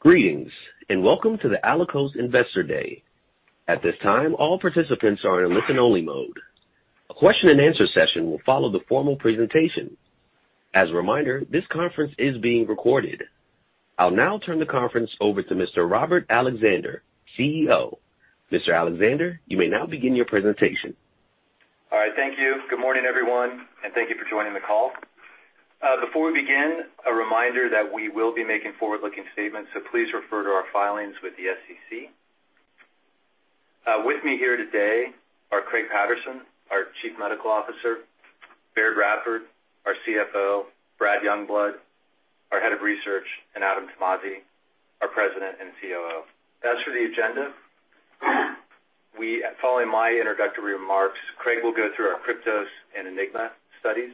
Greetings, and welcome to the Allakos Investor Day. At this time, all participants are in listen-only mode. A question-and-answer session will follow the formal presentation. As a reminder, this conference is being recorded. I'll now turn the conference over to Mr. Robert Alexander, CEO. Mr. Alexander, you may now begin your presentation. All right. Thank you. Good morning, everyone, and thank you for joining the call. Before we begin, a reminder that we will be making forward-looking statements, so please refer to our filings with the SEC. With me here today are Craig Paterson, our Chief Medical Officer, Baird Radford, our CFO, Brad Youngblood, our Head of Research, and Adam Tomasi, our President and COO. As for the agenda, following my introductory remarks, Craig will go through our KRYPTOS and ENIGMA studies.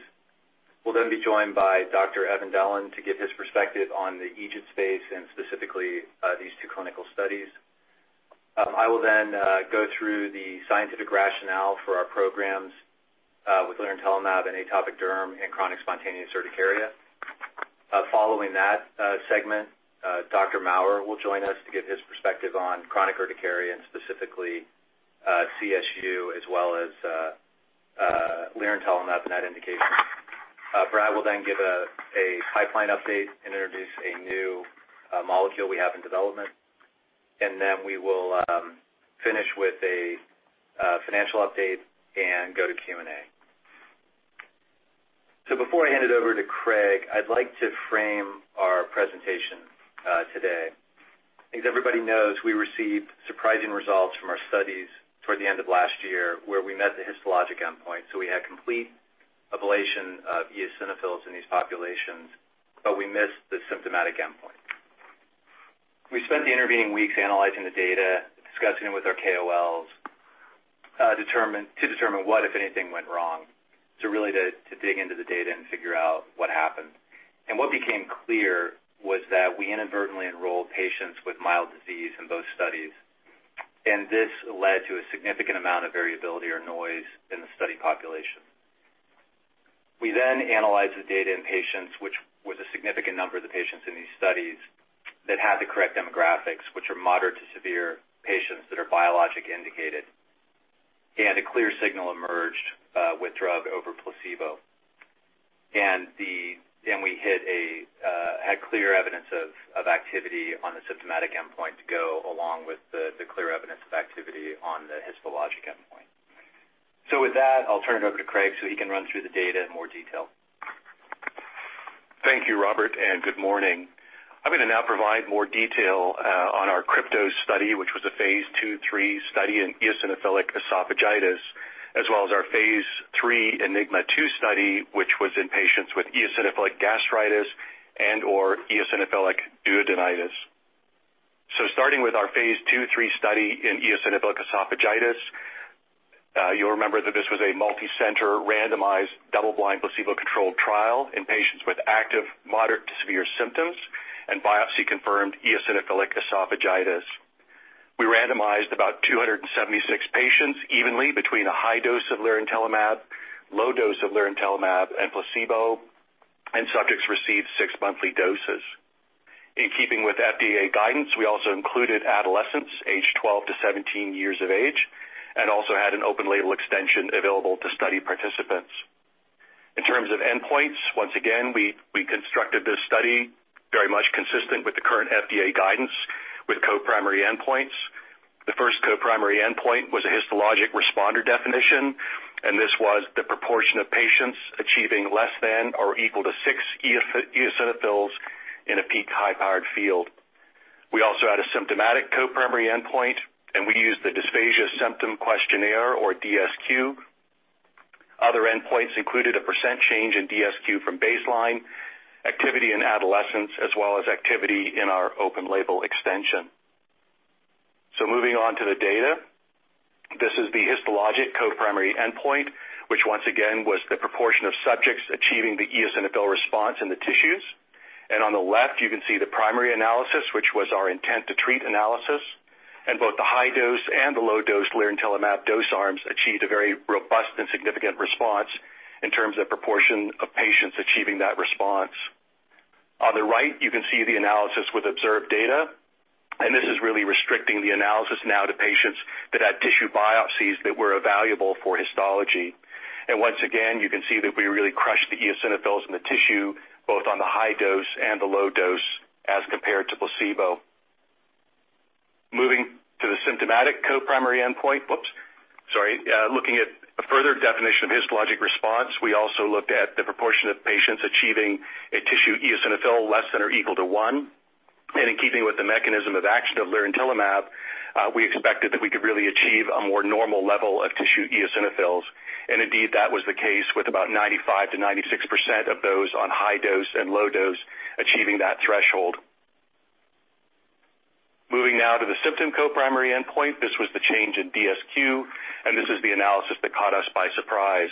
We'll then be joined by Dr. Evan Dellon to give his perspective on the EGID space and specifically these two clinical studies. I will then go through the scientific rationale for our programs with lirentelimab and atopic dermatitis in chronic spontaneous urticaria. Following that segment, Dr. Maurer will join us to give his perspective on chronic urticaria and specifically, CSU as well as, lirentelimab in that indication. Brad will then give a pipeline update and introduce a new molecule we have in development. We will finish with a financial update and go to Q&A. Before I hand it over to Craig, I'd like to frame our presentation today. I think everybody knows we received surprising results from our studies toward the end of last year, where we met the histologic endpoint, so we had complete ablation of eosinophils in these populations, but we missed the symptomatic endpoint. We spent the intervening weeks analyzing the data, discussing it with our KOLs, to determine what, if anything, went wrong to really dig into the data and figure out what happened. What became clear was that we inadvertently enrolled patients with mild disease in both studies. This led to a significant amount of variability or noise in the study population. We then analyzed the data in patients, which was a significant number of the patients in these studies that had the correct demographics, which are moderate to severe patients that are biologic indicated. A clear signal emerged with drug over placebo. Then we had clear evidence of activity on the symptomatic endpoint to go along with the clear evidence of activity on the histologic endpoint. With that, I'll turn it over to Craig so he can run through the data in more detail. Thank you, Robert, and good morning. I'm gonna now provide more detail on our KRYPTOS study, which was a phase II/III study in eosinophilic esophagitis, as well as our phase III ENIGMA 2 study, which was in patients with eosinophilic gastritis and/or eosinophilic duodenitis. Starting with our phase II/III study in eosinophilic esophagitis, you'll remember that this was a multicenter randomized double-blind placebo-controlled trial in patients with active moderate to severe symptoms and biopsy-confirmed eosinophilic esophagitis. We randomized about 276 patients evenly between a high dose of lirentelimab, low dose of lirentelimab, and placebo, and subjects received six monthly doses. In keeping with FDA guidance, we also included adolescents aged 12-17 years of age and also had an open-label extension available to study participants. In terms of endpoints, once again, we constructed this study very much consistent with the current FDA guidance with co-primary endpoints. The first co-primary endpoint was a histologic responder definition, and this was the proportion of patients achieving less than or equal to six eosinophils in a peak high-power field. We also had a symptomatic co-primary endpoint, and we used the Dysphagia Symptom Questionnaire or DSQ. Other endpoints included a percent change in DSQ from baseline, activity in adolescents, as well as activity in our open-label extension. Moving on to the data. This is the histologic co-primary endpoint, which once again was the proportion of subjects achieving the eosinophil response in the tissues. On the left, you can see the primary analysis, which was our intent-to-treat analysis. Both the high dose and the low dose lirentelimab dose arms achieved a very robust and significant response in terms of proportion of patients achieving that response. On the right, you can see the analysis with observed data. This is really restricting the analysis now to patients that had tissue biopsies that were evaluable for histology. Once again, you can see that we really crushed the eosinophils in the tissue, both on the high dose and the low dose as compared to placebo. Moving to the symptomatic co-primary endpoint. Looking at a further definition of histologic response, we also looked at the proportion of patients achieving a tissue eosinophil less than or equal to one. In keeping with the mechanism of action of lirentelimab, we expected that we could really achieve a more normal level of tissue eosinophils. Indeed, that was the case with about 95%-96% of those on high dose and low dose achieving that threshold. Moving now to the symptom co-primary endpoint. This was the change in DSQ, and this is the analysis that caught us by surprise.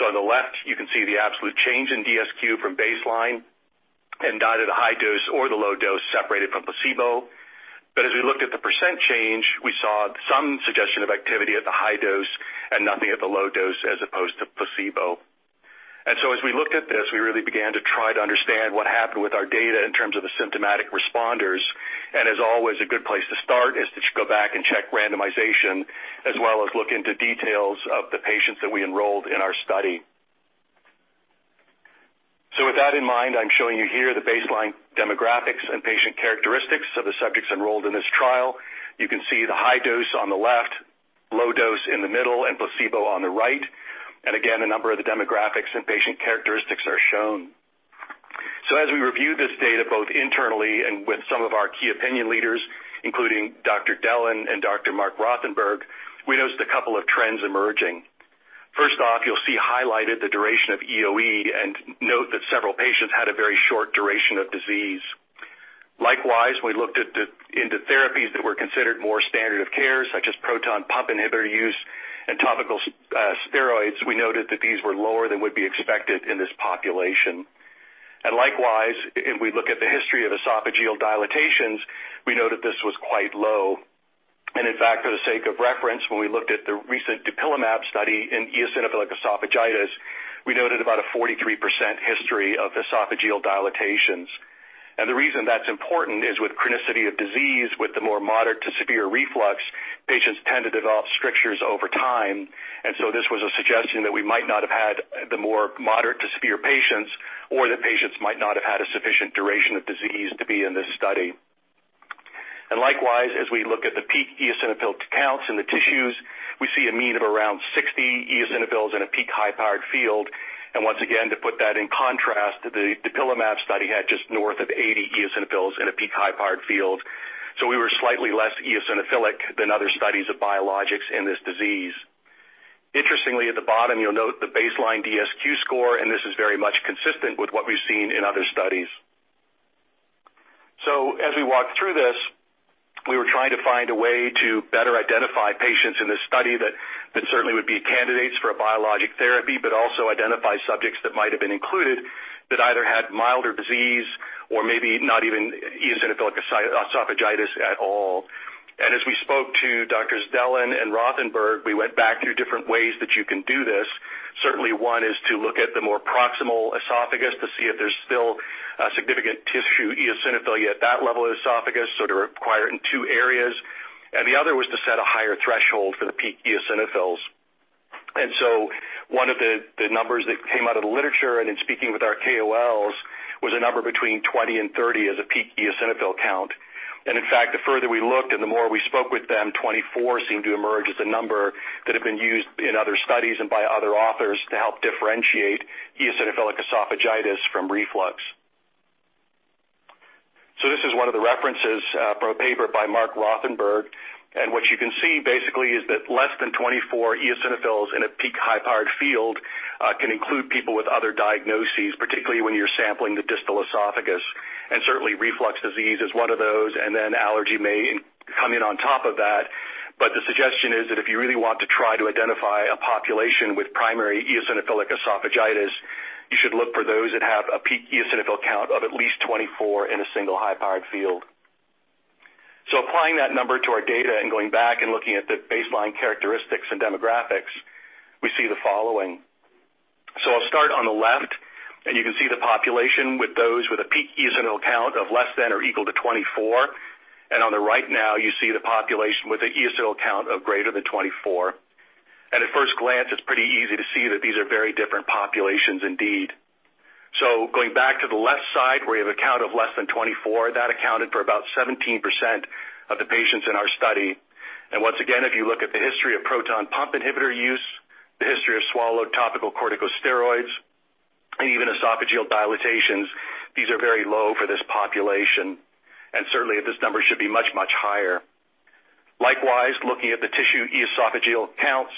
On the left, you can see the absolute change in DSQ from baseline and neither the high dose or the low dose separated from placebo. As we looked at the percent change, we saw some suggestion of activity at the high dose and nothing at the low dose as opposed to placebo. As we looked at this, we really began to try to understand what happened with our data in terms of the symptomatic responders. As always, a good place to start is to go back and check randomization, as well as look into details of the patients that we enrolled in our study. With that in mind, I'm showing you here the baseline demographics and patient characteristics of the subjects enrolled in this trial. You can see the high dose on the left, low dose in the middle, and placebo on the right. Again, a number of the demographics and patient characteristics are shown. As we review this data both internally and with some of our key opinion leaders, including Dr. Dellon and Dr. Marc Rothenberg, we noticed a couple of trends emerging. First off, you'll see highlighted the duration of EoE, and note that several patients had a very short duration of disease. Likewise, we looked into therapies that were considered more standard of care, such as proton pump inhibitor use and topical steroids. We noted that these were lower than would be expected in this population. Likewise, if we look at the history of esophageal dilatations, we noted this was quite low. In fact, for the sake of reference, when we looked at the recent dupilumab study in eosinophilic esophagitis, we noted about a 43% history of esophageal dilatations. The reason that's important is with chronicity of disease, with the more moderate to severe reflux, patients tend to develop strictures over time. This was a suggestion that we might not have had the more moderate to severe patients, or that patients might not have had a sufficient duration of disease to be in this study. Likewise, as we look at the peak eosinophil counts in the tissues, we see a mean of around 60 eosinophils in a peak high-power field. Once again, to put that in contrast, the dupilumab study had just north of 80 eosinophils in a peak high-power field. We were slightly less eosinophilic than other studies of biologics in this disease. Interestingly, at the bottom, you'll note the baseline DSQ score, and this is very much consistent with what we've seen in other studies. As we walked through this, we were trying to find a way to better identify patients in this study that certainly would be candidates for a biologic therapy, but also identify subjects that might have been included that either had milder disease or maybe not even eosinophilic esophagitis at all. As we spoke to Doctors Dellon and Rothenberg, we went back through different ways that you can do this. Certainly, one is to look at the more proximal esophagus to see if there's still significant tissue eosinophilia at that level of esophagus, so to require it in two areas. The other was to set a higher threshold for the peak eosinophils. So one of the numbers that came out of the literature and in speaking with our KOLs was a number between 20 and 30 as a peak eosinophil count. In fact, the further we looked and the more we spoke with them, 24 seemed to emerge as a number that had been used in other studies and by other authors to help differentiate eosinophilic esophagitis from reflux. This is one of the references from a paper by Marc Rothenberg. What you can see basically is that less than 24 eosinophils in a peak high-power field can include people with other diagnoses, particularly when you're sampling the distal esophagus. Certainly reflux disease is one of those, and then allergy may come in on top of that. The suggestion is that if you really want to try to identify a population with primary eosinophilic esophagitis, you should look for those that have a peak eosinophil count of at least 24 in a single high-power field. Applying that number to our data and going back and looking at the baseline characteristics and demographics, we see the following. I'll start on the left, and you can see the population with those with a peak eosinophil count of less than or equal to 24. On the right now, you see the population with an eosinophil count of greater than 24. At first glance, it's pretty easy to see that these are very different populations indeed. Going back to the left side, where you have a count of less than 24, that accounted for about 17% of the patients in our study. Once again, if you look at the history of proton pump inhibitor use, the history of swallowed topical corticosteroids, and even esophageal dilatations, these are very low for this population, and certainly this number should be much, much higher. Likewise, looking at the tissue esophageal counts,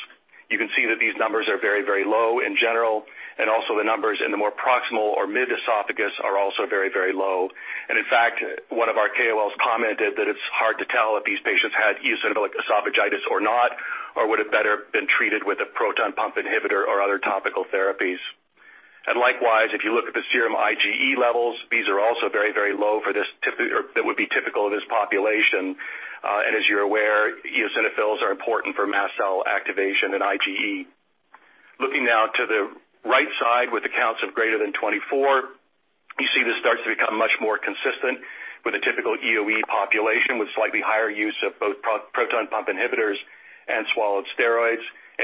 you can see that these numbers are very, very low in general, and also the numbers in the more proximal or mid-esophagus are also very, very low. In fact, one of our KOLs commented that it's hard to tell if these patients had eosinophilic esophagitis or not, or would have better been treated with a proton pump inhibitor or other topical therapies. Likewise, if you look at the serum IgE levels, these are also very, very low for this or that would be typical of this population. As you're aware, eosinophils are important for mast cell activation in IgE. Looking now to the right side with the counts of greater than 24, you see this starts to become much more consistent with a typical EoE population with slightly higher use of both proton pump inhibitors and swallowed steroids.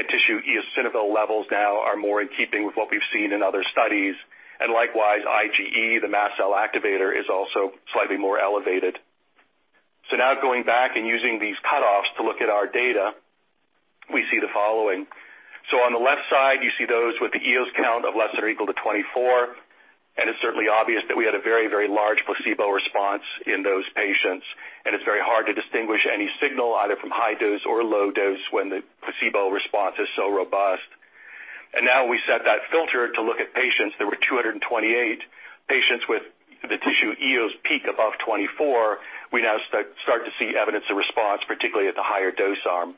Tissue eosinophil levels now are more in keeping with what we've seen in other studies. Likewise, IgE, the mast cell activator, is also slightly more elevated. Now going back and using these cutoffs to look at our data, we see the following. On the left side, you see those with the eos count of less than or equal to 24. It's certainly obvious that we had a very, very large placebo response in those patients. It's very hard to distinguish any signal either from high dose or low dose when the placebo response is so robust. Now we set that filter to look at patients. There were 228 patients with the tissue eos peak above 24. We now start to see evidence of response, particularly at the higher dose arm.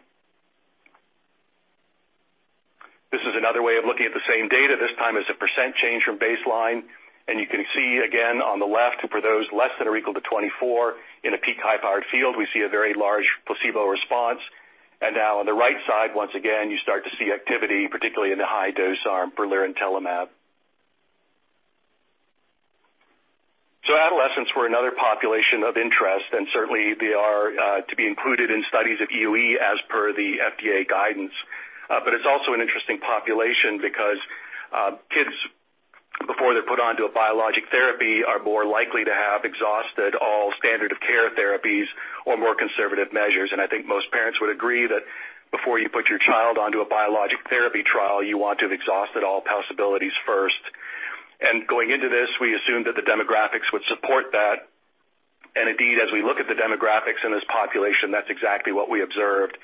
This is another way of looking at the same data. This time it's a % change from baseline. You can see again on the left for those less than or equal to 24 in a high-power field, we see a very large placebo response. Now on the right side, once again, you start to see activity, particularly in the high-dose arm for lirentelimab. Adolescents were another population of interest, and certainly they are to be included in studies of EoE as per the FDA guidance. It's also an interesting population because kids, before they're put onto a biologic therapy, are more likely to have exhausted all standard of care therapies or more conservative measures. I think most parents would agree that before you put your child onto a biologic therapy trial, you want to have exhausted all possibilities first. Going into this, we assumed that the demographics would support that. Indeed, as we look at the demographics in this population, that's exactly what we observed.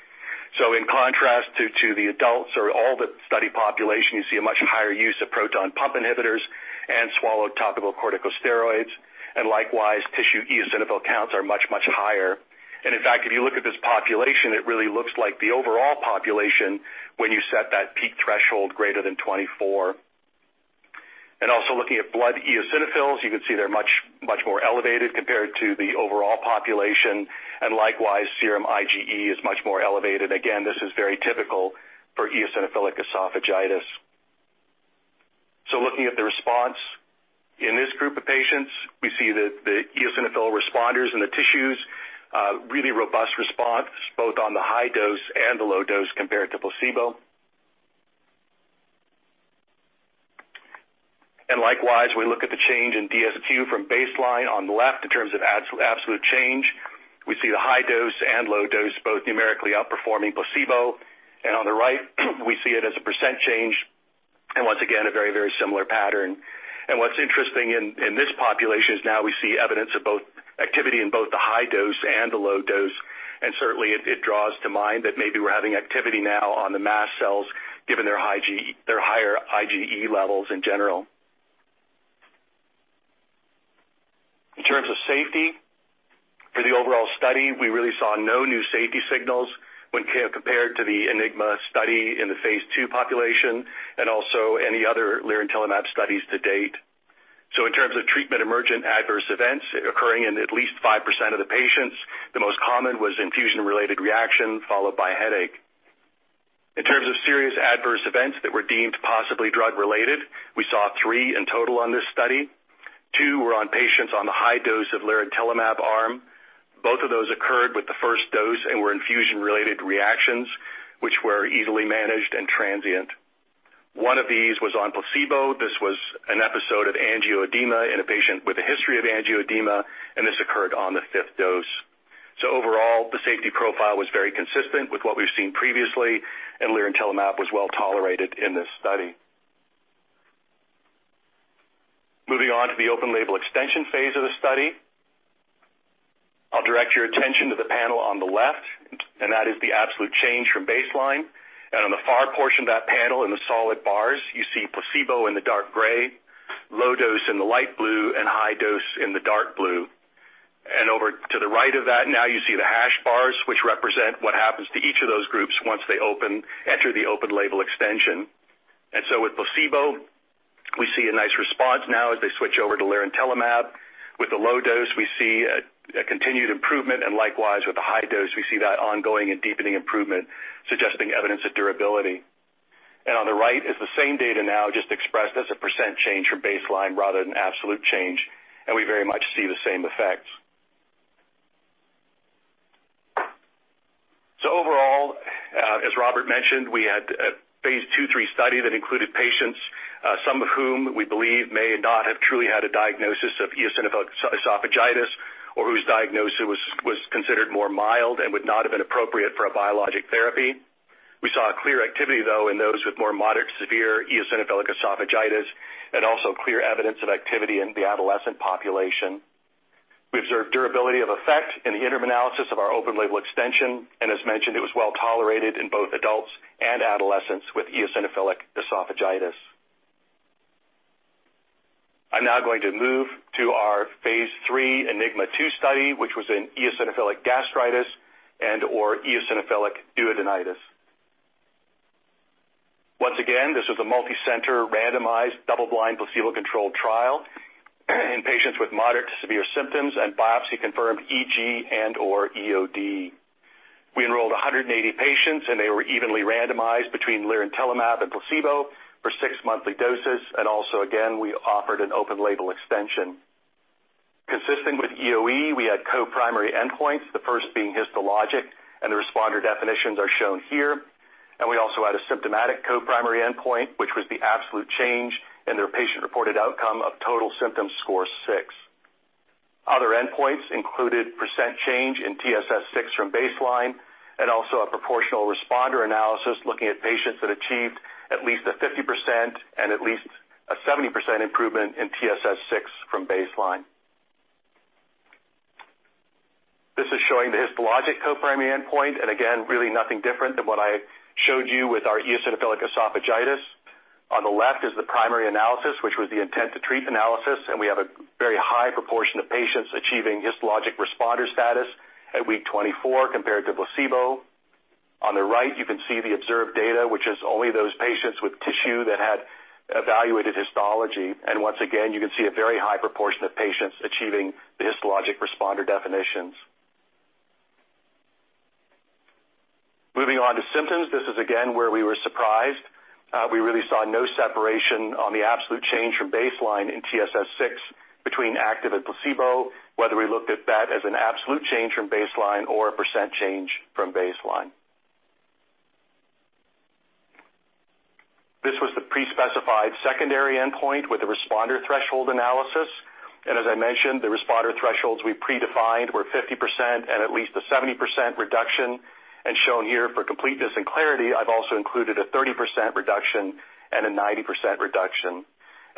In contrast to the adults or all the study population, you see a much higher use of proton pump inhibitors and swallowed topical corticosteroids. Likewise, tissue eosinophil counts are much, much higher. In fact, if you look at this population, it really looks like the overall population when you set that peak threshold greater than 24. Also looking at blood eosinophils, you can see they're much, much more elevated compared to the overall population. Likewise, serum IgE is much more elevated. Again, this is very typical for eosinophilic esophagitis. Looking at the response in this group of patients, we see that the eosinophil responders in the tissues really robust response both on the high dose and the low dose compared to placebo. We look at the change in DSQ from baseline on the left in terms of absolute change. We see the high dose and low dose both numerically outperforming placebo. We see it as a percent change, and once again, a very, very similar pattern. What's interesting in this population is now we see evidence of both activity in both the high dose and the low dose. Certainly it draws to mind that maybe we're having activity now on the mast cells given their high IgE levels in general. In terms of safety, for the overall study, we really saw no new safety signals when compared to the ENIGMA study in the phase II population and also any other lirentelimab studies to date. In terms of treatment-emergent adverse events occurring in at least 5% of the patients, the most common was infusion-related reaction followed by headache. In terms of serious adverse events that were deemed possibly drug-related, we saw three in total on this study. Two were on patients on the high dose of lirentelimab arm. Both of those occurred with the first dose and were infusion-related reactions, which were easily managed and transient. One of these was on placebo. This was an episode of angioedema in a patient with a history of angioedema, and this occurred on the fifth dose. Overall, the safety profile was very consistent with what we've seen previously, and lirentelimab was well tolerated in this study. Moving on to the open-label extension phase of the study. I'll direct your attention to the panel on the left, and that is the absolute change from baseline. On the far portion of that panel in the solid bars, you see placebo in the dark gray, low dose in the light blue, and high dose in the dark blue. Over to the right of that, now you see the hashed bars, which represent what happens to each of those groups once they enter the open-label extension. With placebo, we see a nice response now as they switch over to lirentelimab. With the low dose, we see a continued improvement. Likewise, with the high dose, we see that ongoing and deepening improvement, suggesting evidence of durability. On the right is the same data now just expressed as a percent change from baseline rather than absolute change, and we very much see the same effects. Overall, as Robert mentioned, we had a phase II/III study that included patients, some of whom we believe may not have truly had a diagnosis of eosinophilic esophagitis or whose diagnosis was considered more mild and would not have been appropriate for a biologic therapy. We saw a clear activity though in those with more moderate to severe eosinophilic esophagitis and also clear evidence of activity in the adolescent population. We observed durability of effect in the interim analysis of our open-label extension. As mentioned, it was well tolerated in both adults and adolescents with eosinophilic esophagitis. I'm now going to move to our phase III ENIGMA 2 study, which was in eosinophilic gastritis and/or eosinophilic duodenitis. Once again, this was a multicenter randomized double-blind placebo-controlled trial in patients with moderate to severe symptoms and biopsy-confirmed EG and/or EoD. We enrolled 180 patients, and they were evenly randomized between lirentelimab and placebo for six monthly doses. Also again, we offered an open-label extension. Consistent with EoE, we had co-primary endpoints, the first being histologic, and the responder definitions are shown here. We also had a symptomatic co-primary endpoint, which was the absolute change in their patient-reported outcome of Total Symptom Score-6. Other endpoints included percent change in TSS-6 from baseline and also a proportional responder analysis looking at patients that achieved at least a 50% and at least a 70% improvement in TSS-6 from baseline. This is showing the histologic co-primary endpoint, and again, really nothing different than what I showed you with our eosinophilic esophagitis. On the left is the primary analysis, which was the intent to treat analysis, and we have a very high proportion of patients achieving histologic responder status at week 24 compared to placebo. On the right, you can see the observed data, which is only those patients with tissue that had evaluated histology. Once again, you can see a very high proportion of patients achieving the histologic responder definitions. Moving on to symptoms. This is again where we were surprised. We really saw no separation on the absolute change from baseline in TSS-6 between active and placebo, whether we looked at that as an absolute change from baseline or a percent change from baseline. This was the pre-specified secondary endpoint with the responder threshold analysis. As I mentioned, the responder thresholds we predefined were 50% and at least a 70% reduction. Shown here for completeness and clarity, I've also included a 30% reduction and a 90% reduction.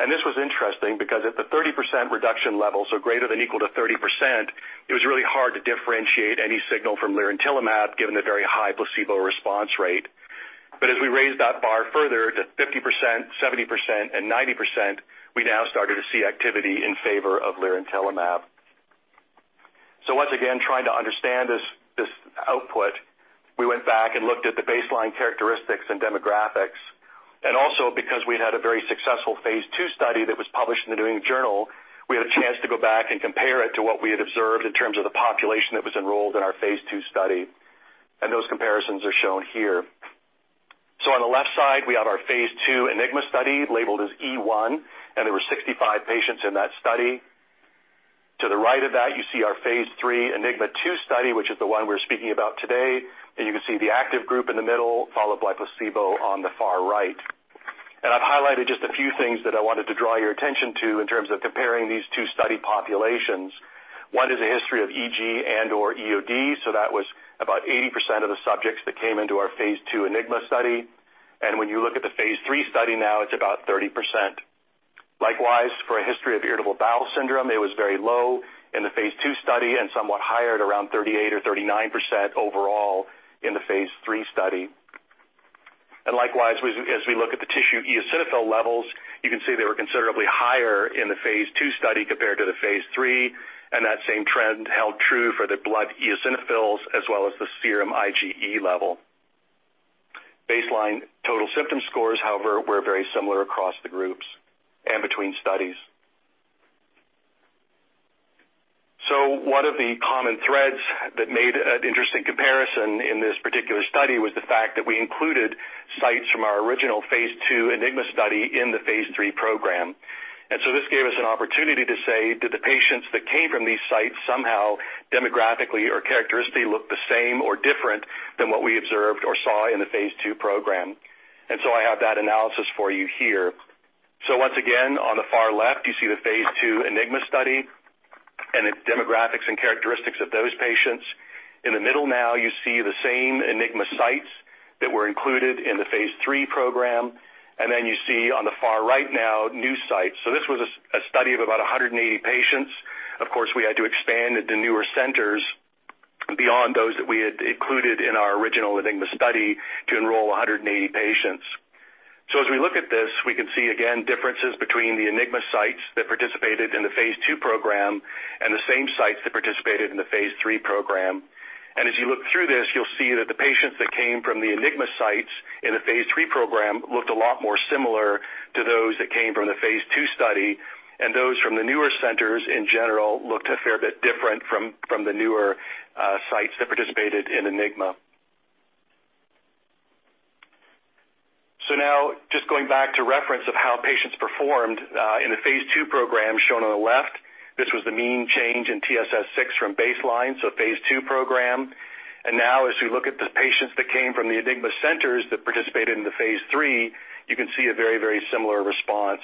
This was interesting because at the 30% reduction levels are greater than equal to 30%, it was really hard to differentiate any signal from lirentelimab, given the very high placebo response rate. As we raised that bar further to 50%, 70%, and 90%, we now started to see activity in favor of lirentelimab. Once again, trying to understand this output, we went back and looked at the baseline characteristics and demographics. Also because we had a very successful phase II study that was published in The New England Journal, we had a chance to go back and compare it to what we had observed in terms of the population that was enrolled in our phase II study. Those comparisons are shown here. On the left side, we have our phase II ENIGMA study labeled as E1, and there were 65 patients in that study. To the right of that, you see our phase III ENIGMA 2 study, which is the one we're speaking about today. You can see the active group in the middle, followed by placebo on the far right. I've highlighted just a few things that I wanted to draw your attention to in terms of comparing these two study populations. One is a history of EG and/or EoD. That was about 80% of the subjects that came into our phase II ENIGMA study. When you look at the phase III study now, it's about 30%. Likewise, for a history of irritable bowel syndrome, it was very low in the phase II study and somewhat higher at around 38% or 39% overall in the phase III study. Likewise, as we look at the tissue eosinophil levels, you can see they were considerably higher in the phase II study compared to the phase III, and that same trend held true for the blood eosinophils as well as the serum IgE level. Baseline Total Symptom Scores, however, were very similar across the groups and between studies. One of the common threads that made an interesting comparison in this particular study was the fact that we included sites from our original phase II ENIGMA study in the phase III program. This gave us an opportunity to say that the patients that came from these sites somehow demographically or characteristically look the same or different than what we observed or saw in the phase II program. I have that analysis for you here. Once again, on the far left you see the phase II ENIGMA study and the demographics and characteristics of those patients. In the middle now you see the same ENIGMA sites that were included in the phase III program. Then you see on the far right now new sites. This was a study of about 180 patients. Of course, we had to expand into newer centers beyond those that we had included in our original ENIGMA study to enroll 180 patients. As we look at this, we can see again differences between the ENIGMA sites that participated in the phase II program and the same sites that participated in the phase III program. As you look through this, you'll see that the patients that came from the ENIGMA sites in the phase III program looked a lot more similar to those that came from the phase II study. Those from the newer centers in general looked a fair bit different from the newer sites that participated in ENIGMA. Now just going back to reference of how patients performed in the phase II program shown on the left, this was the mean change in TSS-6 from baseline, phase II program. Now as we look at the patients that came from the ENIGMA centers that participated in the phase III, you can see a very, very similar response.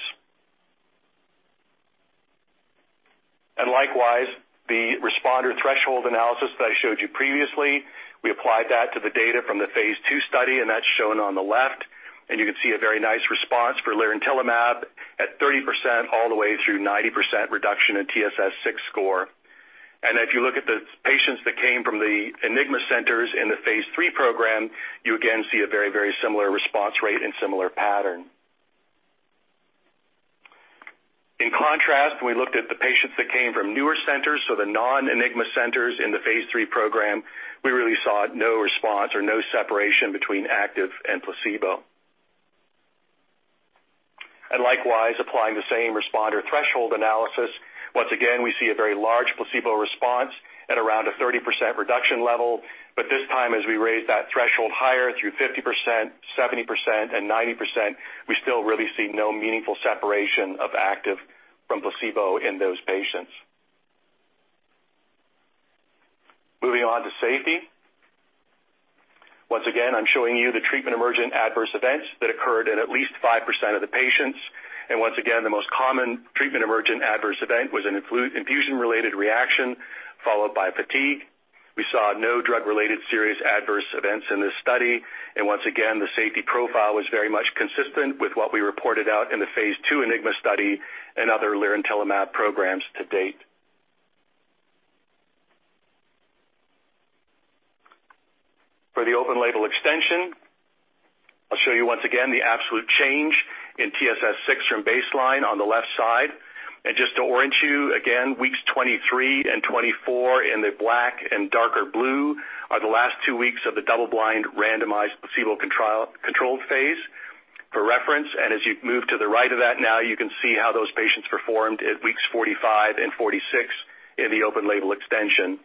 Likewise, the responder threshold analysis that I showed you previously, we applied that to the data from the phase II study, and that's shown on the left. You can see a very nice response for lirentelimab at 30% all the way through 90% reduction in TSS-6 score. If you look at the patients that came from the ENIGMA centers in the phase III program, you again see a very, very similar response rate and similar pattern. In contrast, we looked at the patients that came from newer centers, so the non-ENIGMA centers in the phase III program. We really saw no response or no separation between active and placebo. Likewise, applying the same responder threshold analysis, once again we see a very large placebo response at around a 30% reduction level. This time, as we raise that threshold higher through 50%, 70%, and 90%, we still really see no meaningful separation of active from placebo in those patients. Moving on to safety. Once again, I'm showing you the treatment-emergent adverse events that occurred in at least 5% of the patients. Once again, the most common treatment-emergent adverse event was an infusion-related reaction, followed by fatigue. We saw no drug-related serious adverse events in this study. Once again, the safety profile was very much consistent with what we reported out in the phase II ENIGMA study and other lirentelimab programs to date. For the open-label extension, I'll show you once again the absolute change in TSS-6 from baseline on the left side. Just to orient you again, weeks 23 and 24 in the black and darker blue are the last two weeks of the double-blind randomized placebo-controlled phase. For reference, as you move to the right of that now, you can see how those patients performed at weeks 45 and 46 in the open-label extension.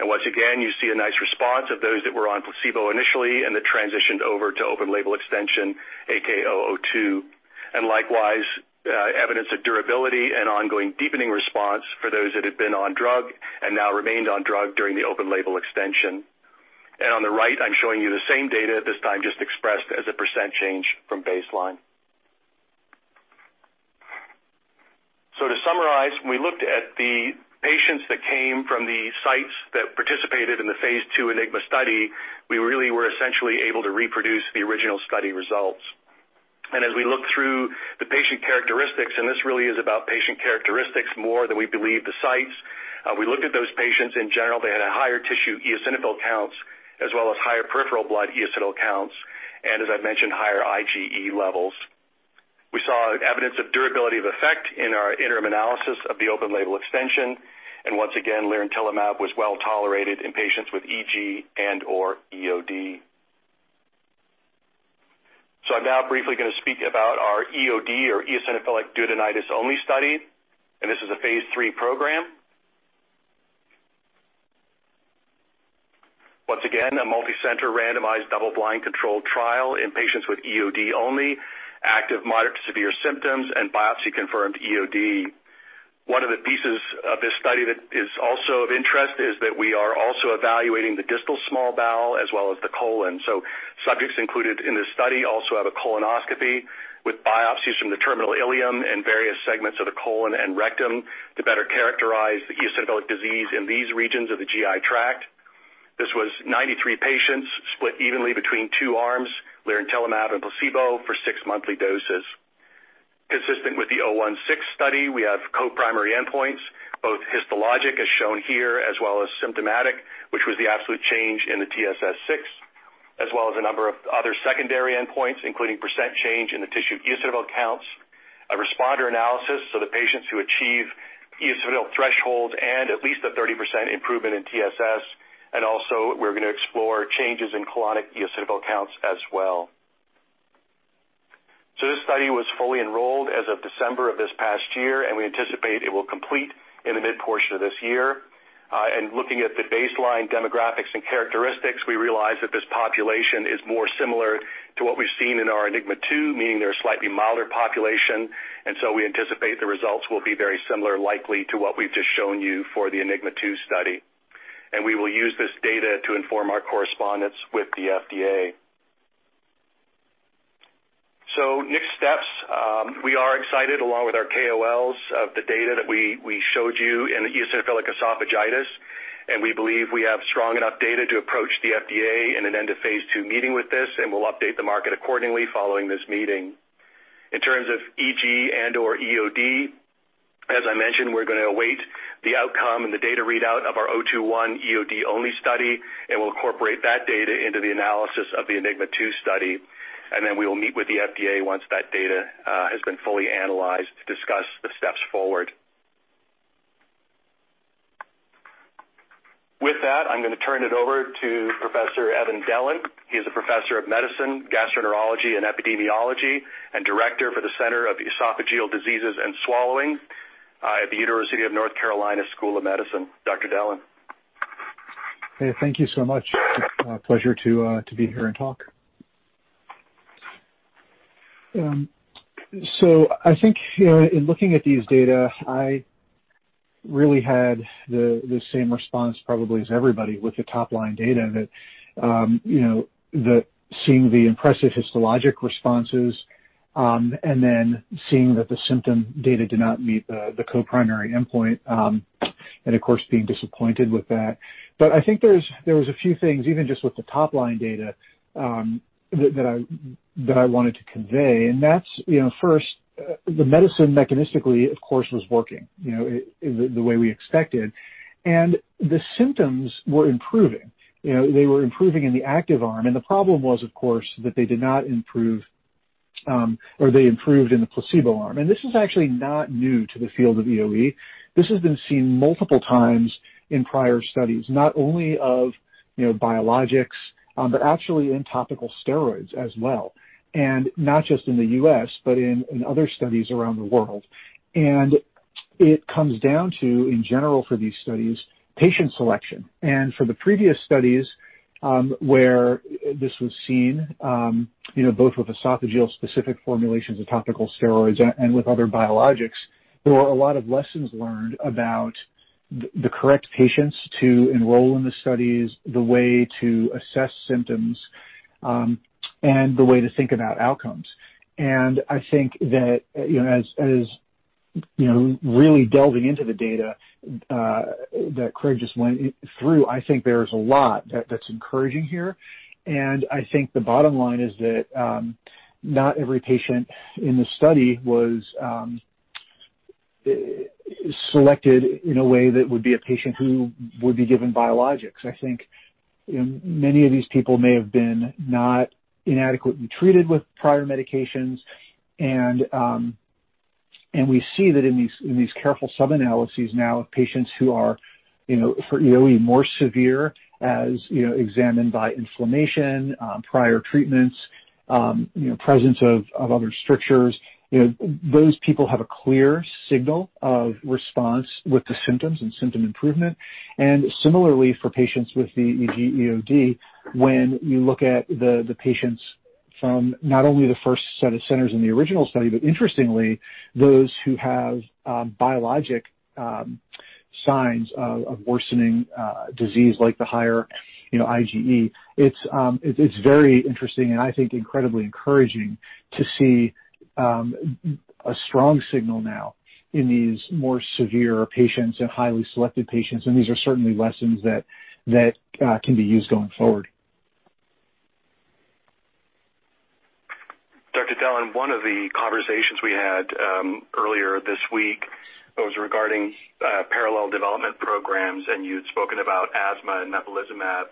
Once again, you see a nice response of those that were on placebo initially and that transitioned over to open-label extension AK002, and likewise, evidence of durability and ongoing deepening response for those that had been on drug, and now remained on drug during the open-label extension. On the right, I'm showing you the same data, this time just expressed as a percent change from baseline. To summarize, when we looked at the patients that came from the sites that participated in the phase II ENIGMA study, we really were essentially able to reproduce the original study results. As we look through the patient characteristics, and this really is about patient characteristics more than we believe the sites, we looked at those patients. In general, they had higher tissue eosinophil counts as well as higher peripheral blood eosinophil counts, and as I mentioned, higher IgE levels. We saw evidence of durability of effect in our interim analysis of the open-label extension. Once again, lirentelimab was well tolerated in patients with EG and/or EoD. I'm now briefly gonna speak about our EoD or eosinophilic duodenitis-only study, and this is a phase III program. Once again, a multicenter randomized double-blind controlled trial in patients with EoD only, active moderate to severe symptoms, and biopsy-confirmed EoD. One of the pieces of this study that is also of interest is that we are also evaluating the distal small bowel as well as the colon. Subjects included in this study also have a colonoscopy with biopsies from the terminal ileum and various segments of the colon and rectum to better characterize the eosinophilic disease in these regions of the GI tract. This was 93 patients split evenly between two arms, lirentelimab and placebo for six monthly doses. Consistent with the AK002-016 study, we have co-primary endpoints, both histologic as shown here, as well as symptomatic, which was the absolute change in the TSS-6, as well as a number of other secondary endpoints, including percent change in the tissue eosinophil counts, a responder analysis, so the patients who achieve eosinophil thresholds and at least a 30% improvement in TSS. We're gonna explore changes in colonic eosinophil counts as well. This study was fully enrolled as of December of this past year, and we anticipate it will complete in the mid-portion of this year. Looking at the baseline demographics and characteristics, we realize that this population is more similar to what we've seen in our ENIGMA 2, meaning they're a slightly milder population. We anticipate the results will be very similar, likely to what we've just shown you for the ENIGMA 2 study. We will use this data to inform our correspondence with the FDA. Next steps, we are excited along with our KOLs of the data that we showed you in the eosinophilic esophagitis, and we believe we have strong enough data to approach the FDA in an end-of-phase II meeting with this, and we'll update the market accordingly following this meeting. In terms of EG and/or EoD, as I mentioned, we're gonna await the outcome and the data readout of our AK002-021 EoD-only study, and we'll incorporate that data into the analysis of the ENIGMA 2 study. We will meet with the FDA once that data has been fully analyzed to discuss the steps forward. With that, I'm gonna turn it over to Professor Evan Dellon. He is a Professor of Medicine, Gastroenterology, and Epidemiology, and Director for the Center for Esophageal Diseases and Swallowing at the University of North Carolina School of Medicine. Dr. Dellon. Hey, thank you so much. It's a pleasure to be here and talk. I think, you know, in looking at these data, I really had the same response probably as everybody with the top-line data. You know, seeing the impressive histologic responses, and then seeing that the symptom data did not meet the co-primary endpoint, and of course, being disappointed with that. I think there was a few things, even just with the top-line data, that I wanted to convey. That's, you know, first, the medicine mechanistically, of course, was working, you know, it, the way we expected. The symptoms were improving. You know, they were improving in the active arm. The problem was, of course, that they did not improve, or they improved in the placebo arm. This is actually not new to the field of EoE. This has been seen multiple times in prior studies, not only of, you know, biologics, but actually in topical steroids as well, and not just in the U.S., but in other studies around the world. It comes down to, in general for these studies, patient selection. For the previous studies, where this was seen, you know, both with esophageal-specific formulations of topical steroids and with other biologics, there were a lot of lessons learned about the correct patients to enroll in the studies, the way to assess symptoms, and the way to think about outcomes. I think that, you know, as you know, really delving into the data that Craig just went through, I think there's a lot that's encouraging here. I think the bottom line is that, not every patient in the study was selected in a way that would be a patient who would be given biologics. I think, you know, many of these people may have been not inadequately treated with prior medications and we see that in these careful sub-analyses now of patients who are, you know, for EoE, more severe as, you know, examined by inflammation, prior treatments, you know, presence of other strictures. You know, those people have a clear signal of response with the symptoms and symptom improvement. Similarly for patients with the EG/EoD, when you look at the patients from not only the first set of centers in the original study, but interestingly, those who have biologic signs of worsening disease like the higher, you know, IgE. It's very interesting and I think incredibly encouraging to see a strong signal now in these more severe patients and highly selected patients, and these are certainly lessons that can be used going forward. Dr. Dellon, one of the conversations we had earlier this week was regarding parallel development programs, and you'd spoken about asthma and mepolizumab.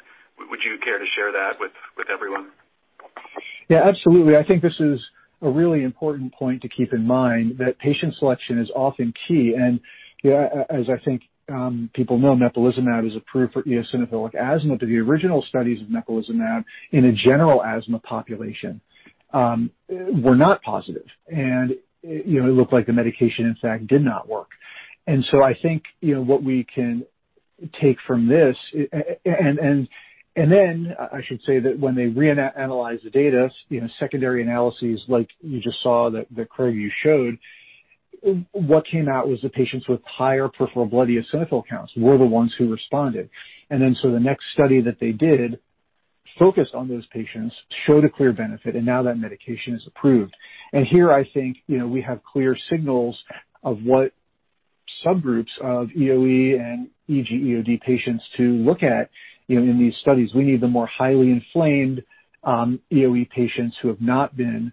Would you care to share that with everyone? Yeah, absolutely. I think this is a really important point to keep in mind, that patient selection is often key. You know, as I think, people know, mepolizumab is approved for eosinophilic asthma. The original studies of mepolizumab in a general asthma population were not positive. You know, it looked like the medication, in fact, did not work. I think, you know, what we can take from this, and then I should say that when they reanalyze the data, you know, secondary analyses like you just saw that, Craig, you showed, what came out was the patients with higher peripheral blood eosinophil counts were the ones who responded. Then the next study that they did focused on those patients, showed a clear benefit, and now that medication is approved. Here I think, you know, we have clear signals of what subgroups of EoE and EG/EoD patients to look at, you know, in these studies. We need the more highly inflamed EoE patients who have not been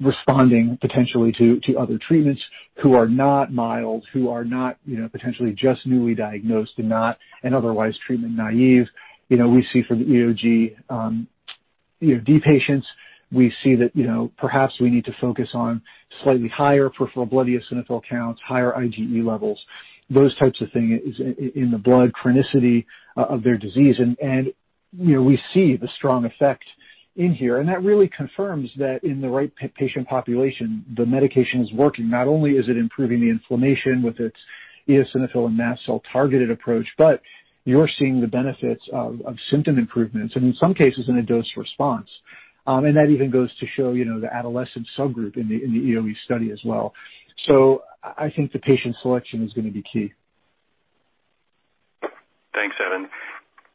responding potentially to other treatments, who are not mild, who are not, you know, potentially just newly diagnosed and otherwise treatment naive. You know, we see for the EG/EoD patients, we see that, you know, perhaps we need to focus on slightly higher peripheral blood eosinophil counts, higher IgE levels, those types of things in the blood chronicity of their disease. You know, we see the strong effect in here, and that really confirms that in the right patient population, the medication is working. Not only is it improving the inflammation with its eosinophil and mast cell-targeted approach, but you're seeing the benefits of symptom improvements and in some cases in a dose response. That even goes to show, you know, the adolescent subgroup in the EoE study as well. I think the patient selection is gonna be key. Thanks, Evan.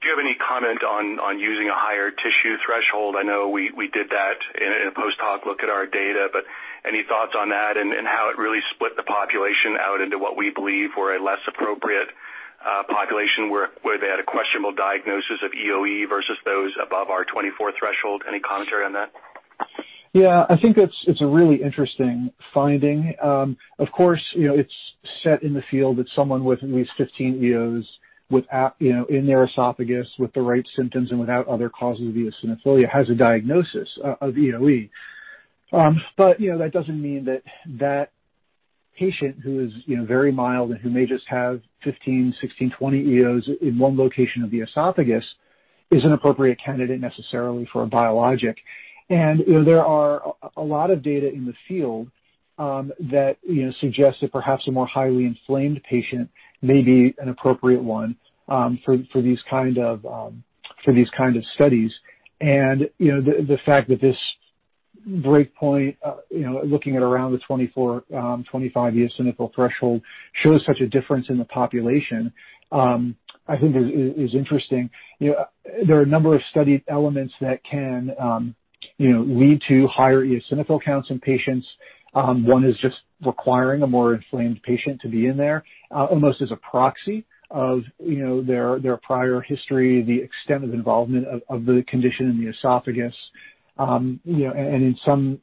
Do you have any comment on using a higher tissue threshold? I know we did that in a post-hoc look at our data. Any thoughts on that and how it really split the population out into what we believe were a less appropriate population where they had a questionable diagnosis of EoE versus those above our 24 threshold? Any commentary on that? Yeah. I think it's a really interesting finding. Of course, you know, it's set in the field that someone with at least 15 eos without, you know, in their esophagus with the right symptoms and without other causes of eosinophilia has a diagnosis of EoE. You know, that doesn't mean that patient who is, you know, very mild and who may just have 15, 16, 20 eos in one location of the esophagus is an appropriate candidate necessarily for a biologic. You know, there are a lot of data in the field that, you know, suggest that perhaps a more highly inflamed patient may be an appropriate one for these kind of studies. You know, the fact that this breakpoint, looking at around the 24-25 eosinophil threshold shows such a difference in the population, I think is interesting. You know, there are a number of study elements that can, you know, lead to higher eosinophil counts in patients. One is just requiring a more inflamed patient to be in there, almost as a proxy of, you know, their prior history, the extent of involvement of the condition in the esophagus, you know, and in some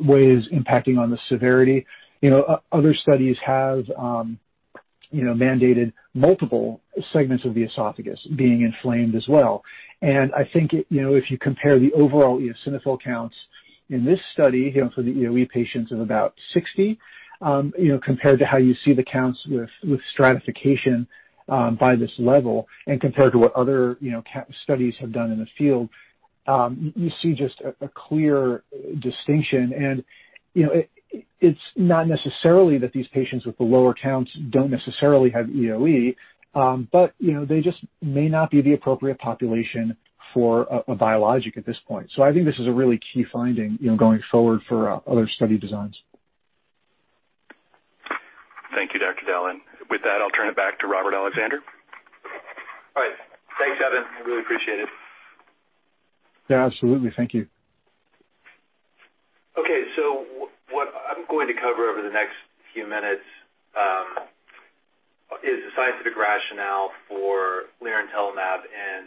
ways impacting on the severity. You know, other studies have, you know, mandated multiple segments of the esophagus being inflamed as well. I think, you know, if you compare the overall eosinophil counts in this study, you know, for the EoE patients of about 60, you know, compared to how you see the counts with stratification by this level and compared to what other, you know, count studies have done in the field, you see just a clear distinction. You know, it's not necessarily that these patients with the lower counts don't necessarily have EoE, but, you know, they just may not be the appropriate population for a biologic at this point. I think this is a really key finding, you know, going forward for other study designs. Thank you, Dr. Dellon. With that, I'll turn it back to Robert Alexander. All right. Thanks, Evan. I really appreciate it. Yeah, absolutely. Thank you. Okay, what I'm going to cover over the next few minutes is the scientific rationale for lirentelimab in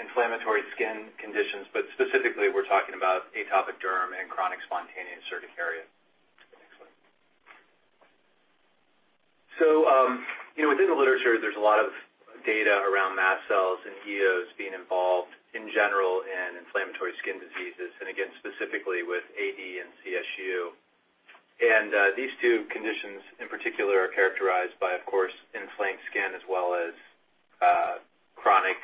inflammatory skin conditions, but specifically, we're talking about atopic derm and chronic spontaneous urticaria. Excellent. You know, within the literature there's a lot of data around mast cells and eos being involved in general in inflammatory skin diseases, and again, specifically with AD and CSU. These two conditions in particular are characterized by, of course, inflamed skin as well as chronic,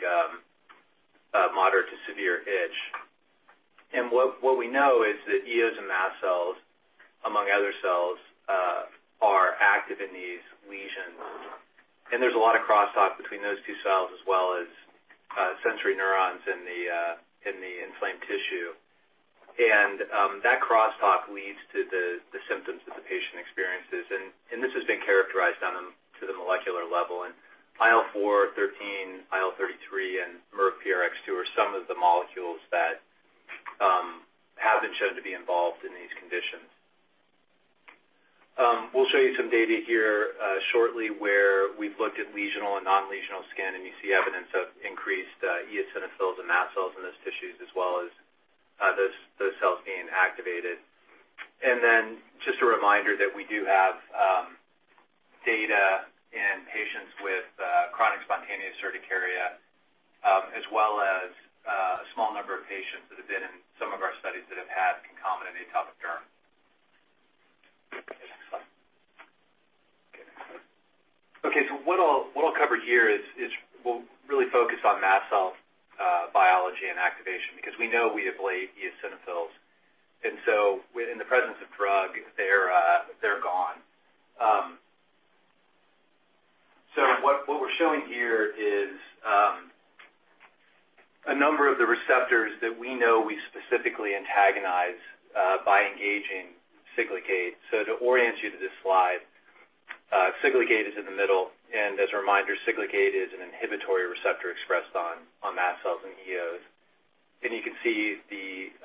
moderate to severe itch. What we know is that eos and mast cells, among other cells, are active in these lesions, and there's a lot of crosstalk between those two cells as well as sensory neurons in the inflamed tissue. That crosstalk leads to the symptoms that the patient experiences. This has been characterized on a to the molecular level. IL-4, IL-13, IL-33, and MRGPRX2 are some of the molecules that have been shown to be involved in these conditions. We'll show you some data here shortly, where we've looked at lesional and non-lesional skin, and you see evidence of increased eosinophils and mast cells in those tissues, as well as those cells being activated. Then just a reminder that we do have data in patients with chronic spontaneous urticaria, as well as a small number of patients that have been in some of our studies that have had concomitant atopic derm. Next slide. Okay, what I'll cover here is we'll really focus on mast cell biology and activation, because we know we ablate eosinophils and in the presence of drug they're gone. What we're showing here is a number of the receptors that we know we specifically antagonize by engaging Siglec-8. To orient you to this slide, Siglec-8 is in the middle. As a reminder, Siglec-8 is an inhibitory receptor expressed on mast cells and eos. You can see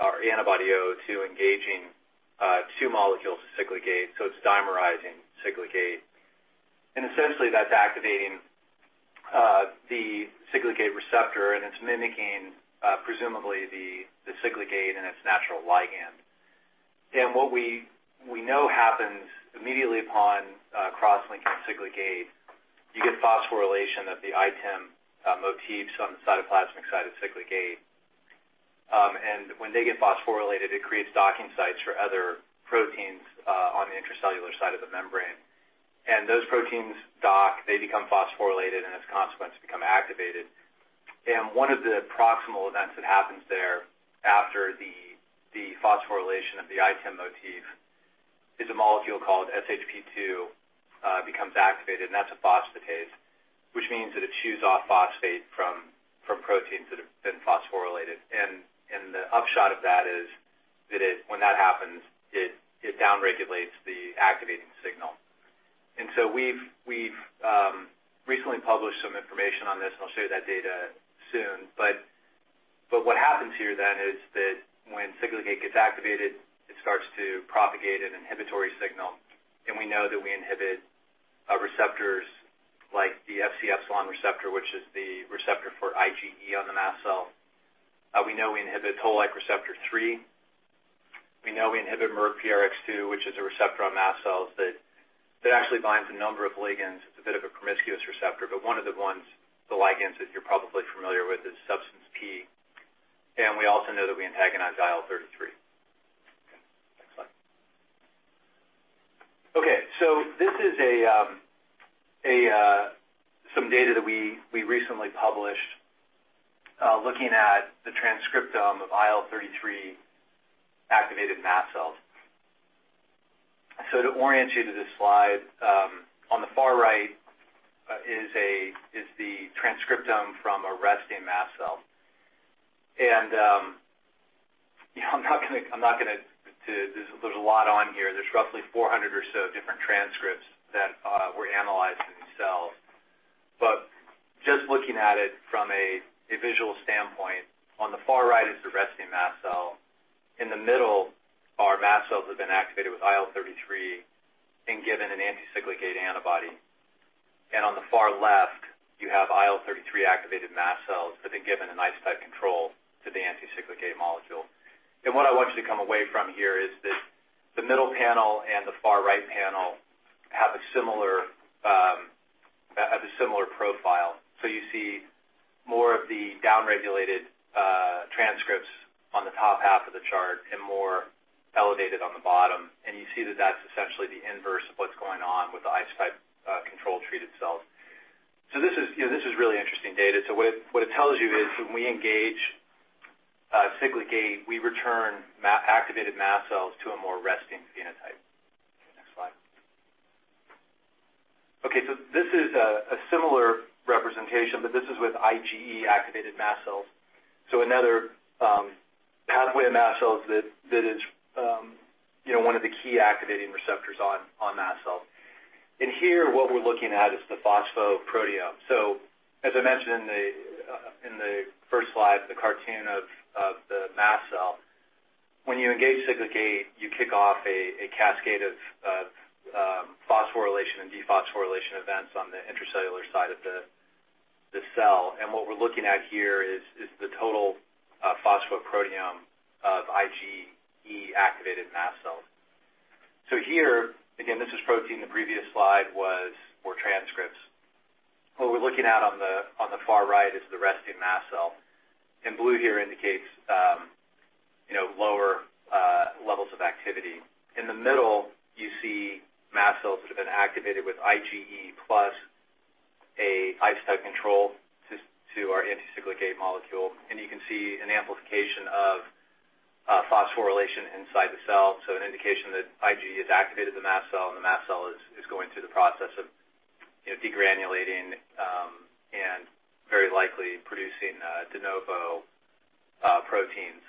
our antibody AK002 engaging two molecules of Siglec-8, so it's dimerizing Siglec-8. Essentially that's activating the Siglec-8 receptor, and it's mimicking presumably the Siglec-8 and its natural ligand. What we know happens immediately upon cross-linking Siglec-8, you get phosphorylation of the ITIM motifs on the cytoplasmic side of Siglec-8. When they get phosphorylated, it creates docking sites for other proteins on the intracellular side of the membrane. Those proteins dock, they become phosphorylated, and as a consequence, become activated. One of the proximal events that happens thereafter the phosphorylation of the ITIM motif is a molecule called SHP-2 becomes activated, and that's a phosphatase, which means that it chews off phosphate from proteins that have been phosphorylated. The upshot of that is that when that happens, it downregulates the activating signal. We've recently published some information on this, and I'll show you that data soon. What happens here then is that when Siglec-8 gets activated, it starts to propagate an inhibitory signal, and we know that we inhibit receptors like the Fc epsilon receptor, which is the receptor for IgE on the mast cell. We know we inhibit toll-like receptor three. We know we inhibit MRGPRX2, which is a receptor on mast cells that actually binds a number of ligands. It's a bit of a promiscuous receptor. One of the ones, the ligands that you're probably familiar with is Substance P. We also know that we antagonize IL-33. Okay, next slide. Okay, this is some data that we recently published looking at the transcriptome of IL-33-activated mast cells. To orient you to this slide, on the far right is the transcriptome from a resting mast cell. You know, there's a lot on here. There's roughly 400 or so different transcripts that were analyzed in these cells. Just looking at it from a visual standpoint, on the far right is the resting mast cell. In the middle are mast cells that have been activated with IL-33 and given an anti-Siglec-8 antibody. On the far left you have IL-33-activated mast cells that have been given an isotype control to the anti-Siglec-8 molecule. What I want you to come away from here is that the middle panel and the far right panel have a similar profile. You see more of the down-regulated transcripts on the top half of the chart and more elevated on the bottom. You see that that's essentially the inverse of what's going on with the isotype control-treated cells. This is, you know, this is really interesting data. What it tells you is when we engage Siglec-8, we return activated mast cells to a more resting phenotype. Okay, next slide. Okay, this is a similar representation, but this is with IgE-activated mast cells. Another pathway of mast cells that is, you know, one of the key activating receptors on mast cells. Here what we're looking at is the phosphoproteome. As I mentioned in the first slide, the cartoon of the mast cell, when you engage Siglec-8, you kick off a cascade of phosphorylation and dephosphorylation events on the intracellular side of the cell. What we're looking at here is the total phosphoproteome of IgE-activated mast cells. Here, again, this is protein. The previous slide was transcripts. What we're looking at on the far right is the resting mast cell, and blue here indicates you know lower levels of activity. In the middle, you see mast cells that have been activated with IgE plus an isotype control to our anti-Siglec-8 molecule, and you can see an amplification of phosphorylation inside the cell. An indication that IgE has activated the mast cell, and the mast cell is going through the process of, you know, degranulating, and very likely producing de novo proteins.